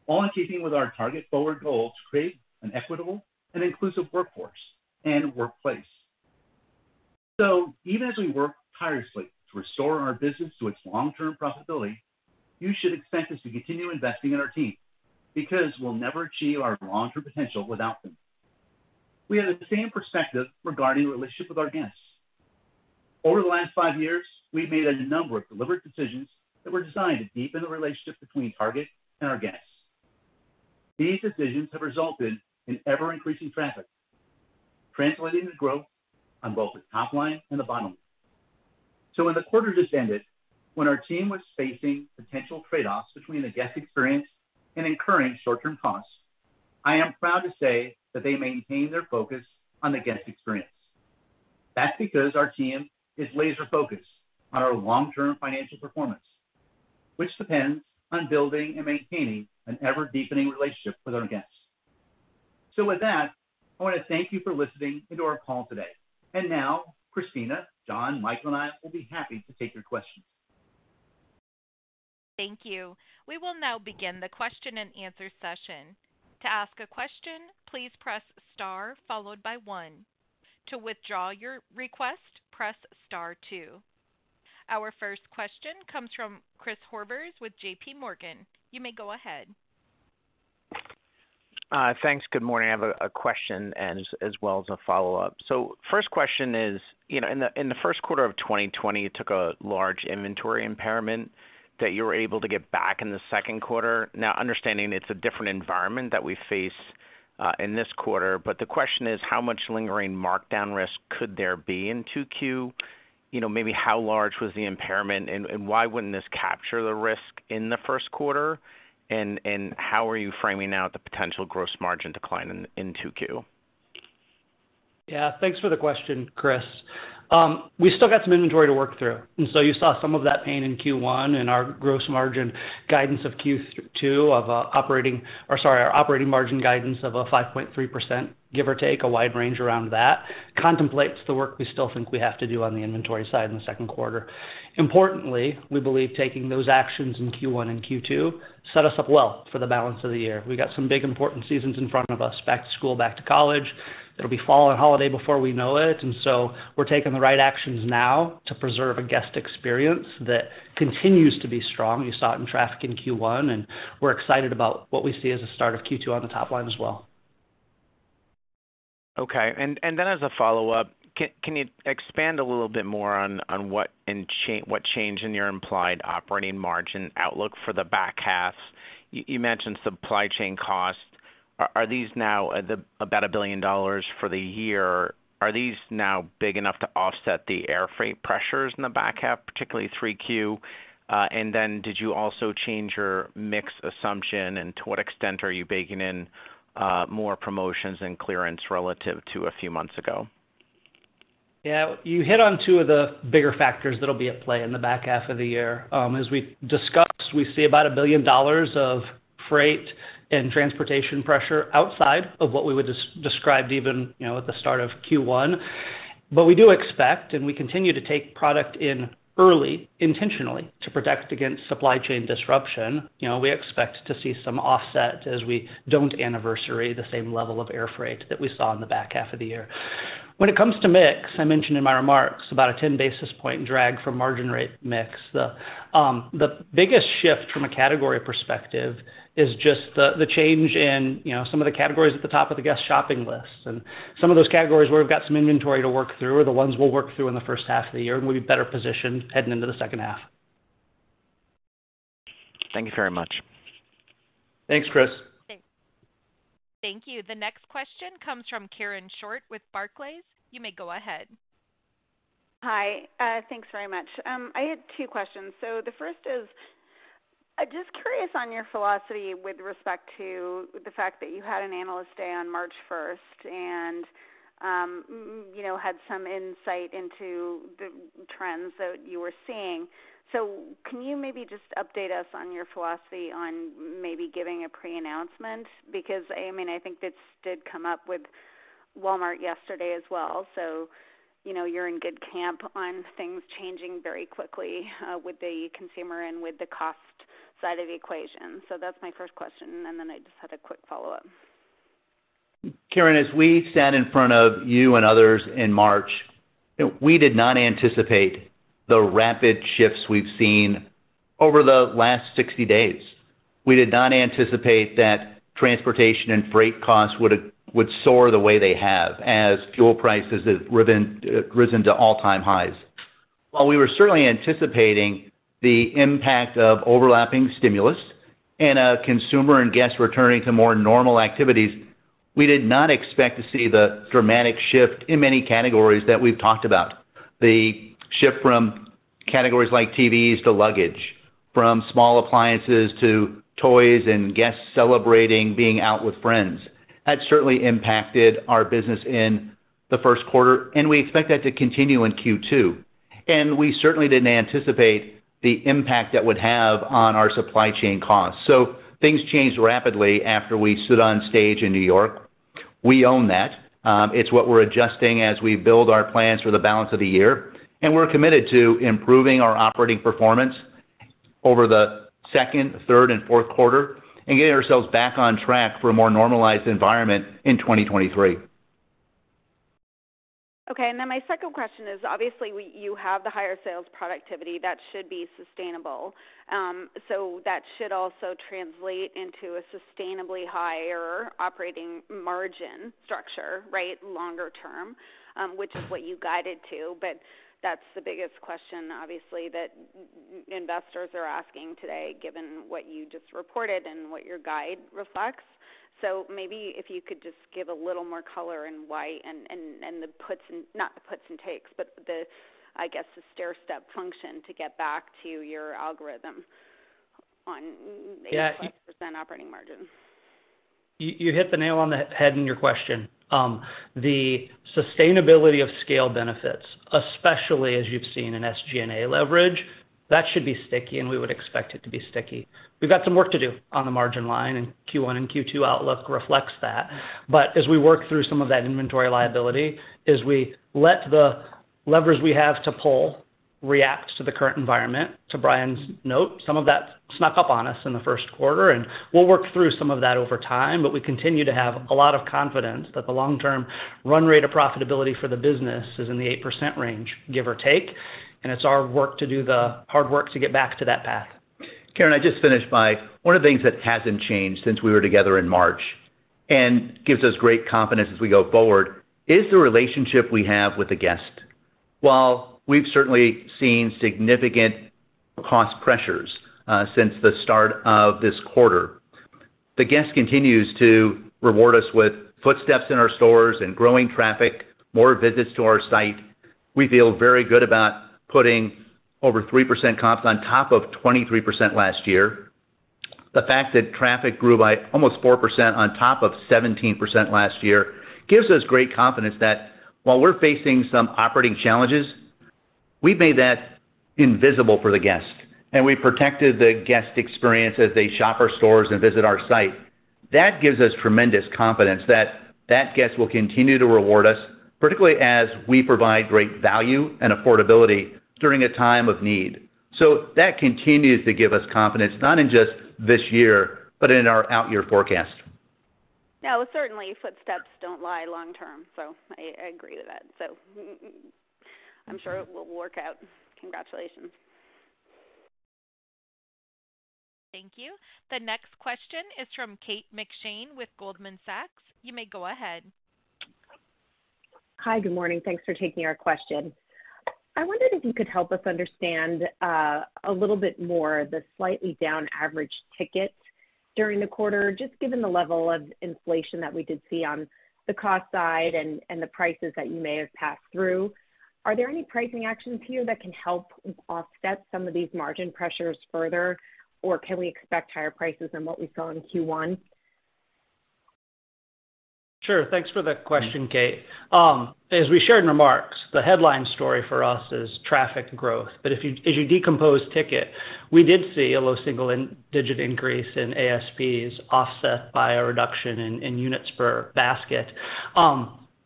all in keeping with our Target Forward goal to create an equitable and inclusive workforce and workplace. Even as we work tirelessly to restore our business to its long-term profitability, you should expect us to continue investing in our team because we'll never achieve our long-term potential without them. We have the same perspective regarding the relationship with our guests. Over the last five years, we've made a number of deliberate decisions that were designed to deepen the relationship between Target and our guests. These decisions have resulted in ever-increasing traffic, translating to growth on both the top line and the bottom line. In the quarter just ended, when our team was facing potential trade-offs between the guest experience and incurring short-term costs, I am proud to say that they maintained their focus on the guest experience. That's because our team is laser-focused on our long-term financial performance, which depends on building and maintaining an ever-deepening relationship with our guests. With that, I wanna thank you for listening into our call today. Now, Christina, John, Michael, and I will be happy to take your questions. Thank you. We will now begin the question-and-answer session. To ask a question, please press star followed by one. To withdraw your request, press star two. Our first question comes from Christopher Horvers with J.P. Morgan. You may go ahead. Thanks. Good morning. I have a question and as well as a follow-up. First question is in the first quarter of 2020, you took a large inventory impairment that you were able to get back in the second quarter. Now, understanding it's a different environment that we face in this quarter, but the question is, how much lingering markdown risk could there be in 2Q? Maybe how large was the impairment and why wouldn't this capture the risk in the first quarter? And how are you framing out the potential gross margin decline in 2Q? Yeah. Thanks for the question, Chris. We still got some inventory to work through, and so you saw some of that pain in Q1 and our operating margin guidance of Q2, give or take, a wide range around that, contemplates the work we still think we have to do on the inventory side in the second quarter. Importantly, we believe taking those actions in Q1 and Q2 set us up well for the balance of the year. We got some big important seasons in front of us, back to school, back to college. It'll be fall and holiday before we know it, and so we're taking the right actions now to preserve a guest experience that continues to be strong. You saw it in traffic in Q1, and we're excited about what we see as the start of Q2 on the top line as well. Okay. Then as a follow-up, can you expand a little bit more on what change in your implied operating margin outlook for the back half? You mentioned supply chain costs. Are these now about $1 billion for the year? Are these now big enough to offset the air freight pressures in the back half, particularly Q3? Then did you also change your mix assumption, and to what extent are you baking in more promotions and clearance relative to a few months ago? Yeah. You hit on two of the bigger factors that'll be at play in the back half of the year. As we discussed, we see about $1 billion of freight and transportation pressure outside of what we would describe even at the start of Q1. We do expect, and we continue to take product in early intentionally to protect against supply chain disruption. We expect to see some offset as we don't anniversary the same level of air freight that we saw in the back half of the year. When it comes to mix, I mentioned in my remarks about a 10 basis point drag from margin rate mix. The biggest shift from a category perspective is just the change in some of the categories at the top of the guest shopping list. Some of those categories where we've got some inventory to work through are the ones we'll work through in the first half of the year, and we'll be better positioned heading into the second half. Thank you very much. Thanks, Chris. Thank you. The next question comes from Karen Short with Barclays. You may go ahead. Hi. Thanks very much. I had 2 questions. The first is, just curious on your philosophy with respect to the fact that you had an analyst day on March first and had some insight into the trends that you were seeing. Can you maybe just update us on your philosophy on maybe giving a pre-announcement? Because, this did come up with Walmart yesterday as well. You're in good company on things changing very quickly, with the consumer and with the cost side of the equation. That's my first question, and then I just had a quick follow-up. Karen, as we stand in front of you and others in March, we did not anticipate the rapid shifts we've seen over the last 60 days. We did not anticipate that transportation and freight costs would soar the way they have as fuel prices have risen to all-time highs. While we were certainly anticipating the impact of overlapping stimulus and consumer and guests returning to more normal activities, we did not expect to see the dramatic shift in many categories that we've talked about. The shift from categories like TVs to luggage, from small appliances to toys, and guests celebrating being out with friends. That certainly impacted our business in the first quarter, and we expect that to continue in Q2. We certainly didn't anticipate the impact that would have on our supply chain costs. Things changed rapidly after we stood on stage in New York. We own that. It's what we're adjusting as we build our plans for the balance of the year, and we're committed to improving our operating performance over the second, third, and fourth quarter and getting ourselves back on track for a more normalized environment in 2023. Okay. Then my second question is, obviously, you have the higher sales productivity that should be sustainable. That should also translate into a sustainably higher operating margin structure. Longer term, which is what you guided to. That's the biggest question, obviously, that investors are asking today, given what you just reported and what your guide reflects. Maybe if you could just give a little more color on why and the puts and takes. Not the puts and takes, but the stairstep function to get back to your algorithm on 8.5% operating margin. You hit the nail on the head in your question. The sustainability of scale benefits, especially as you've seen in SG&A leverage, that should be sticky, and we would expect it to be sticky. We've got some work to do on the margin line, and Q1 and Q2 outlook reflects that. As we work through some of that inventory liability, as we let the levers we have to pull react to the current environment, to Brian's note, some of that snuck up on us in the first quarter, and we'll work through some of that over time. We continue to have a lot of confidence that the long-term run rate of profitability for the business is in the 8% range, give or take, and it's our work to do the hard work to get back to that path. Karen, I just finished. One of the things that hasn't changed since we were together in March and gives us great confidence as we go forward is the relationship we have with the guest. While we've certainly seen significant cost pressures since the start of this quarter, the guest continues to reward us with footsteps in our stores and growing traffic, more visits to our site. We feel very good about putting over 3% comp on top of 23% last year. The fact that traffic grew by almost 4% on top of 17% last year gives us great confidence that while we're facing some operating challenges, we've made that invisible for the guest, and we protected the guest experience as they shop our stores and visit our site. That gives us tremendous confidence that that guest will continue to reward us, particularly as we provide great value and affordability during a time of need. That continues to give us confidence, not in just this year, but in our out-year forecast. No, certainly footsteps don't lie long term, so I agree with that. I'm sure it will work out. Congratulations. Thank you. The next question is from Kate McShane with Goldman Sachs. You may go ahead. Hi. Good morning. Thanks for taking our question. I wondered if you could help us understand a little bit more the slightly down average ticket during the quarter, just given the level of inflation that we did see on the cost side and the prices that you may have passed through. Are there any pricing actions here that can help offset some of these margin pressures further, or can we expect higher prices than what we saw in Q1? Sure. Thanks for the question, Kate. As we shared in remarks, the headline story for us is traffic growth. If you, as you decompose ticket, we did see a low single-digit increase in ASPs offset by a reduction in units per basket.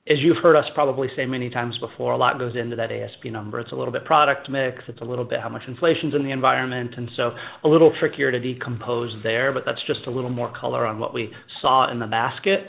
As you've heard us probably say many times before, a lot goes into that ASP number. It's a little bit product mix. It's a little bit how much inflation's in the environment, and so a little trickier to decompose there, but that's just a little more color on what we saw in the basket.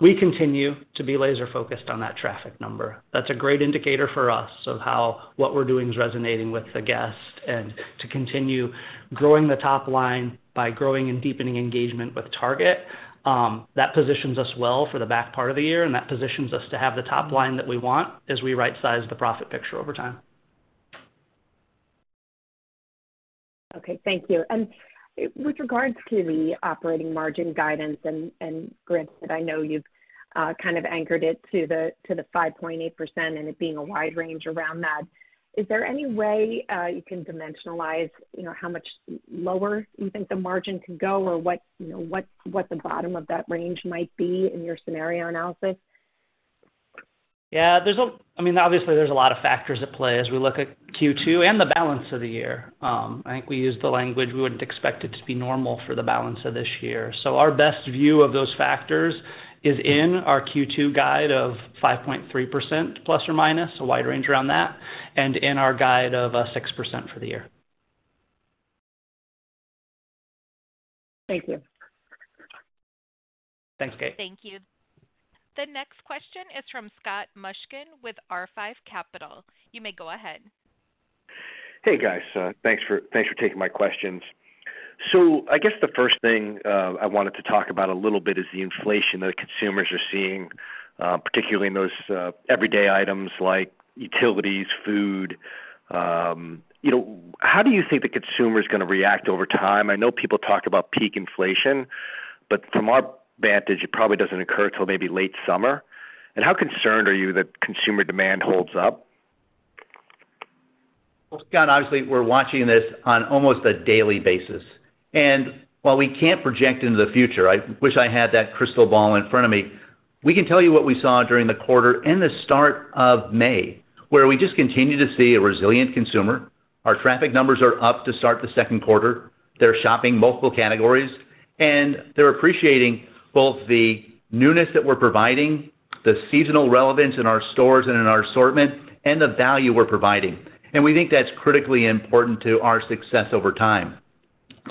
We continue to be laser focused on that traffic number. That's a great indicator for us of how what we're doing is resonating with the guest and to continue growing the top line by growing and deepening engagement with Target. That positions us well for the back part of the year, and that positions us to have the top line that we want as we right-size the profit picture over time. Okay. Thank you. With regards to the operating margin guidance, granted, I know you've anchored it to the 5.8% and it being a wide range around that, is there any way you can dimensionalize, how much lower you think the margin could go or what the bottom of that range might be in your scenario analysis? Yeah. There's a lot of factors at play as we look at Q2 and the balance of the year. I think we used the language, we wouldn't expect it to be normal for the balance of this year. Our best view of those factors is in our Q2 guide of 5.3% ±, a wide range around that, and in our guide of 6% for the year. Thank you. Thanks, Kate. Thank you. The next question is from Scott Mushkin with R5 Capital. You may go ahead. Thanks for taking my questions. The first thing I wanted to talk about a little bit is the inflation that consumers are seeing, particularly in those everyday items like utilities, food. How do you think the consumer is gonna react over time? I know people talk about peak inflation, but from our vantage, it probably doesn't occur until maybe late summer. How concerned are you that consumer demand holds up? Scott, obviously, we're watching this on almost a daily basis. While we can't project into the future, I wish I had that crystal ball in front of me. We can tell you what we saw during the quarter and the start of May, where we just continue to see a resilient consumer. Our traffic numbers are up to start the second quarter. They're shopping multiple categories, and they're appreciating both the newness that we're providing, the seasonal relevance in our stores and in our assortment, and the value we're providing. We think that's critically important to our success over time.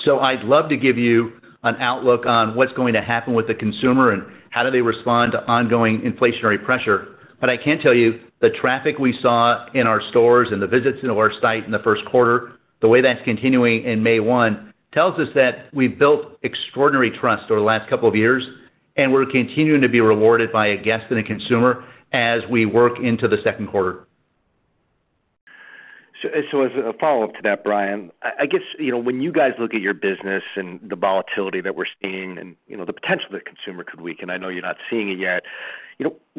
I'd love to give you an outlook on what's going to happen with the consumer and how do they respond to ongoing inflationary pressure. I can tell you the traffic we saw in our stores and the visits to our site in the first quarter, the way that's continuing in May 1, tells us that we've built extraordinary trust over the last couple of years, and we're continuing to be rewarded by a guest and a consumer as we work into the second quarter. As a follow-up to that, Brian, when you guys look at your business and the volatility that we're seeing and the potential that consumer could weaken, I know you're not seeing it yet.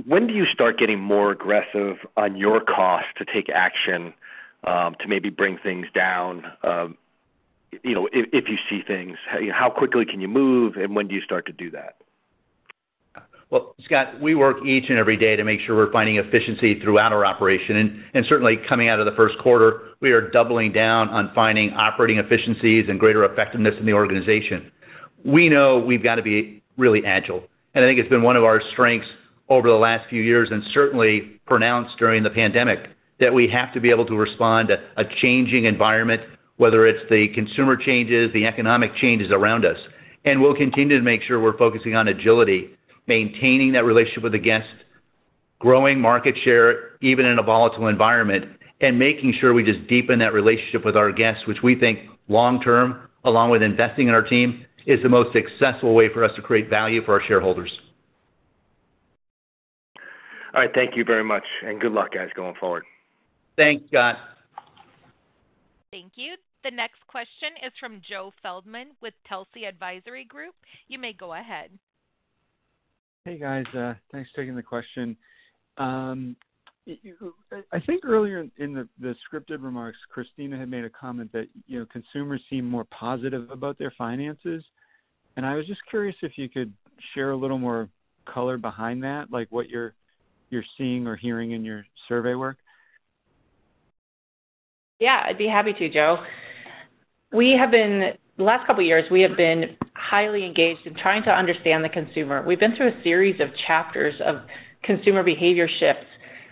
When do you start getting more aggressive on your cost to take action, to maybe bring things down, if you see things? How quickly can you move, and when do you start to do that? Scott, we work each and every day to make sure we're finding efficiency throughout our operation. Certainly coming out of the first quarter, we are doubling down on finding operating efficiencies and greater effectiveness in the organization. We know we've gotta be really agile, and I think it's been one of our strengths over the last few years, and certainly pronounced during the pandemic, that we have to be able to respond to a changing environment, whether it's the consumer changes, the economic changes around us. We'll continue to make sure we're focusing on agility, maintaining that relationship with the guest, growing market share even in a volatile environment, and making sure we just deepen that relationship with our guests which we think long term, along with investing in our team, is the most successful way for us to create value for our shareholders. All right. Thank you very much. Good luck, guys, going forward. Thanks, Scott. Thank you. The next question is from Joe Feldman with Telsey Advisory Group. You may go ahead. Thanks for taking the question. I think earlier in the scripted remarks, Christina made a comment that consumers seem more positive about their finances, and I was just curious if you could share a little more color behind that, like what you're seeing or hearing in your survey work. I'd be happy to, Joe. Last couple years, we have been highly engaged in trying to understand the consumer. We've been through a series of chapters of consumer behavior shifts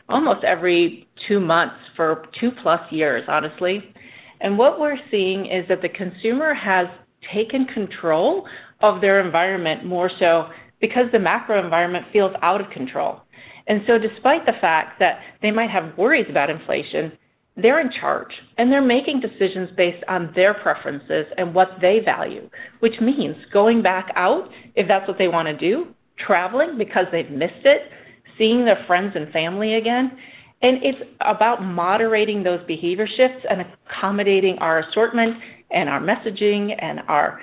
almost every two months for over two years, honestly. What we're seeing is that the consumer has taken control of their environment more so because the macro environment feels out of control. Despite the fact that they might have worries about inflation, they're in charge, and they're making decisions based on their preferences and what they value, which means going back out if that's what they wanna do, traveling because they've missed it, seeing their friends and family again. It's about moderating those behavior shifts and accommodating our assortment and our messaging and our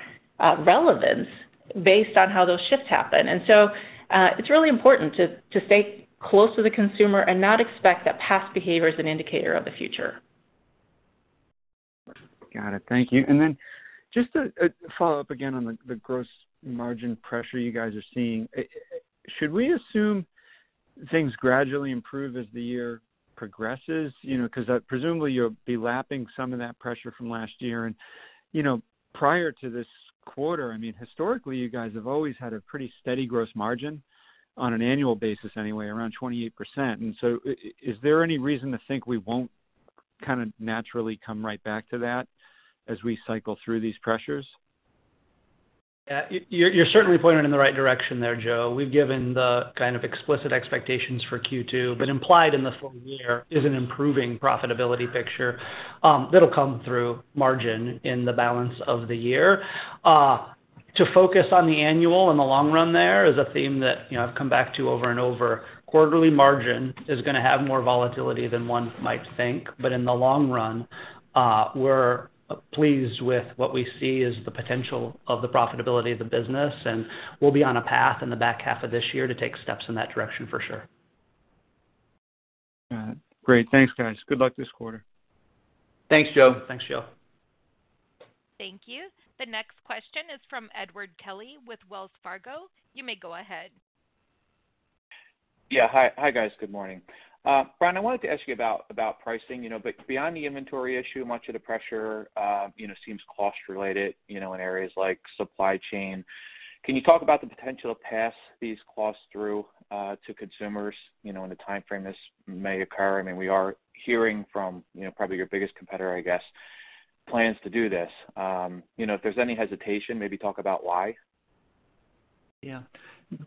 relevance based on how those shifts happen. It's really important to stay close to the consumer and not expect that past behavior is an indicator of the future. Got it. Thank you. Just a follow-up again on the gross margin pressure you guys are seeing. Should we assume things gradually improve as the year progresses, beause presumably, you'll be lapping some of that pressure from last year. Prior to this quarter, historically, you have always had a pretty steady gross margin on an annual basis anyway, around 28%. Is there any reason to think we won't naturally come right back to that as we cycle through these pressures? You're certainly pointed in the right direction, Joe. We've given the explicit expectations for Q2, but implied in the full year is an improving profitability picture, that'll come through margin in the balance of the year. To focus on the annual in the long run there is a theme that, I've come back to over and over. Quarterly margin is gonna have more volatility than one might think. In the long run, we're pleased with what we see as the potential of the profitability of the business, and we'll be on a path in the back half of this year to take steps in that direction for sure. Got it. Great. Thanks, guys. Good luck this quarter. Thanks, Joe. Thanks, Joe. Thank you. The next question is from Edward Kelly with Wells Fargo. You may go ahead. Yeah. Hi, guys. Good morning. Brian, I wanted to ask you about pricing. Beyond the inventory issue, much of the pressure seems cost-related in areas like supply chain. Can you talk about the potential to pass these costs through to consumers and the timeframe in which this may occur? We are hearing from probably your biggest competitor plans to do this. If there's any hesitation, maybe talk about why. Yeah.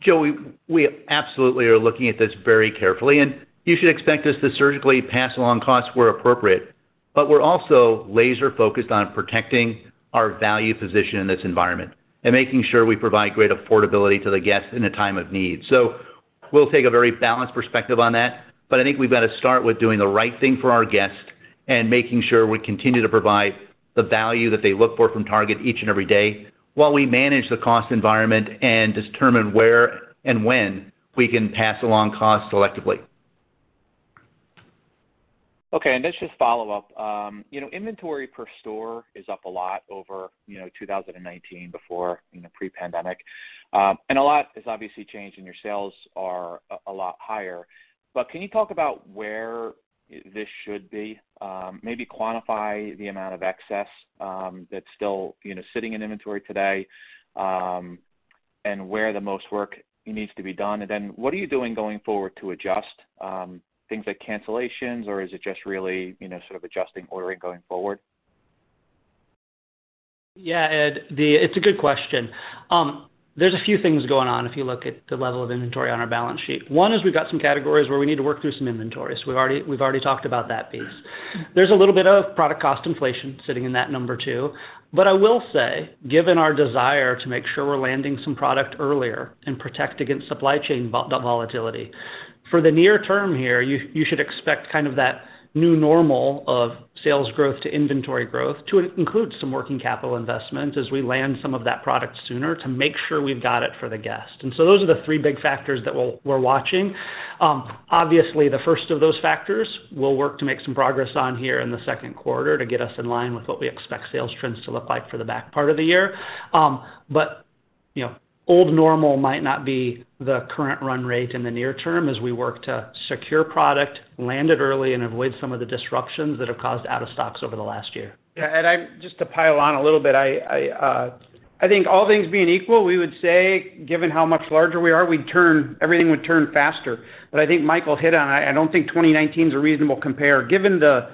Ed, we absolutely are looking at this very carefully, and you should expect us to surgically pass along costs where appropriate. We're also laser focused on protecting our value position in this environment and making sure we provide great affordability to the guest in a time of need. We'll take a very balanced perspective on that, but I think we've got to start with doing the right thing for our guests and making sure we continue to provide the value that they look for from Target each and every day while we manage the cost environment and determine where and when we can pass along costs selectively. Okay, let's just follow up. Inventory per store is up a lot over 2019 before pre-pandemic. A lot has obviously changed, and your sales are a lot higher. Can you talk about where this should be? Maybe quantify the amount of excess that's still sitting in inventory today and where the most work needs to be done. Then what are you doing going forward to adjust things like cancellations, or is it just really adjusting ordering going forward? Yeah, Ed, it's a good question. There's a few things going on if you look at the level of inventory on our balance sheet. One is we've got some categories where we need to work through some inventories. We've already talked about that piece. There's a little bit of product cost inflation sitting in that number too. I will say, given our desire to make sure we're landing some product earlier and protect against supply chain volatility. For the near term here, you should expect that new normal of sales growth to inventory growth to include some working capital investment as we land some of that product sooner to make sure we've got it for the guest. Those are the three big factors that we're watching. Obviously, the first of those factors will work to make some progress on here in the second quarter to get us in line with what we expect sales trends to look like for the back part of the year. Old normal might not be the current run rate in the near term as we work to secure product, land it early, and avoid some of the disruptions that have caused out of stocks over the last year. Just to pile on a little bit, I think all things being equal, we would say, given how much larger we are, everything would turn faster. I think Michael hit on that. I don't think 2019 is a reasonable compare. Given the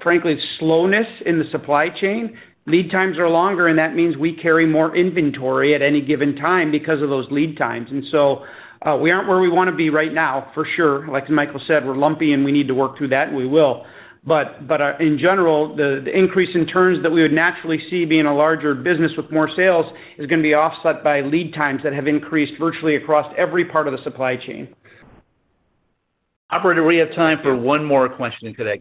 frankly slowness in the supply chain, lead times are longer, and that means we carry more inventory at any given time because of those lead times. We aren't where we wanna be right now, for sure. Like Michael said, we're lumpy, and we need to work through that, and we will. In general, the increase in turns that we would naturally see being a larger business with more sales is gonna be offset by lead times that have increased virtually across every part of the supply chain. Operator, we have time for one more question today.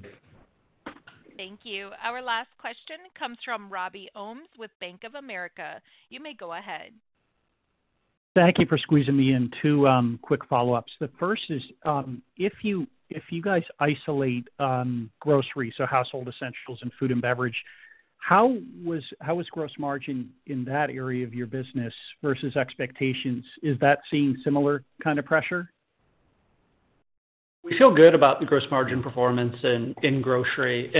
Thank you. Our last question comes from Robert Ohmes with Bank of America. You may go ahead. Thank you for squeezing me in. Two quick follow-ups. The first is, if you guys isolate grocery, so household essentials and food and beverage, how was gross margin in that area of your business versus expectations? Is that seeing similar pressure? We feel good about the gross margin performance in grocery.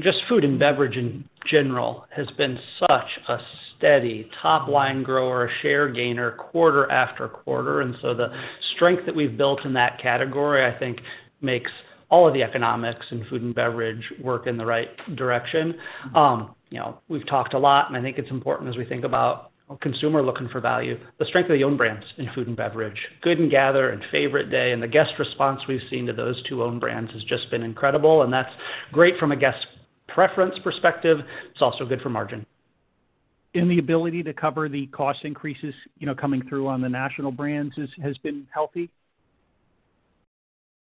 Just food and beverage in general has been such a steady top line grower, share gainer quarter after quarter. The strength that we've built in that category, I think, makes all of the economics in food and beverage work in the right direction. We've talked a lot, and I think it's important as we think about a consumer looking for value, the strength of the own brands in food and beverage. Good & Gather and Favorite Day, and guest response we've seen to those two own brands has just been incredible, and that's great from a guest preference perspective. It's also good for margin. The ability to cover the cost increases coming through on national brands has been healthy?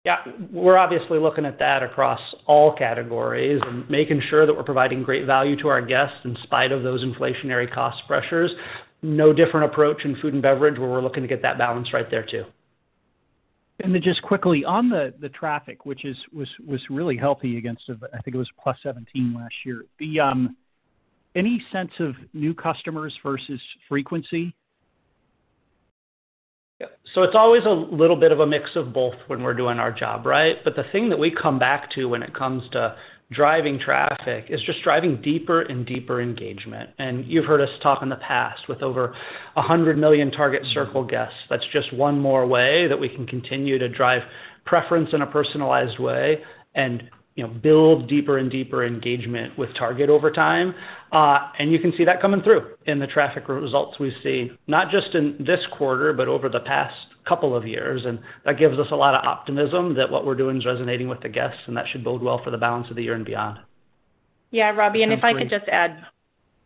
Yeah. We're obviously looking at that across all categories and making sure that we're providing great value to our guests in spite of those inflationary cost pressures. No different approach in food and beverage, where we're looking to get that balance right there too. Then just quickly, on the traffic, which was really healthy against what I think it was 17% last year. Any sense of new customers versus frequency? Yeah. It's always a mix of both when we're doing our job. The thing that we come back to when it comes to driving traffic is just driving deeper and deeper engagement. You've heard us talk in the past with over 100 million Target Circle guests. That's just one more way that we can continue to drive preference in a personalized way and build deeper and deeper engagement with Target over time. You can see that coming through in the traffic results we see, not just in this quarter, but over the past couple of years. That gives us a lot of optimism that what we're doing is resonating with the guests, and that should bode well for the balance of the year and beyond. Yeah, Robbie. If I could just add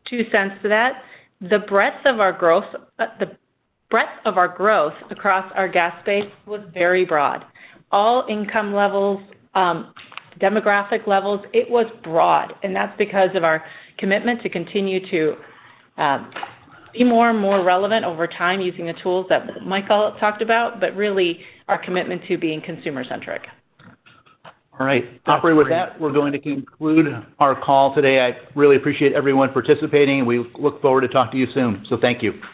two cents to that. The breadth of our growth across our guest base was very broad. All income levels, demographic levels, it was broad, and that's because of our commitment to continue to be more and more relevant over time using the tools that Michael talked about, but really our commitment to being consumer centric. All right. Operator, with that, we're going to conclude our call today. I really appreciate everyone participating, and we look forward to talking to you soon. Thank you.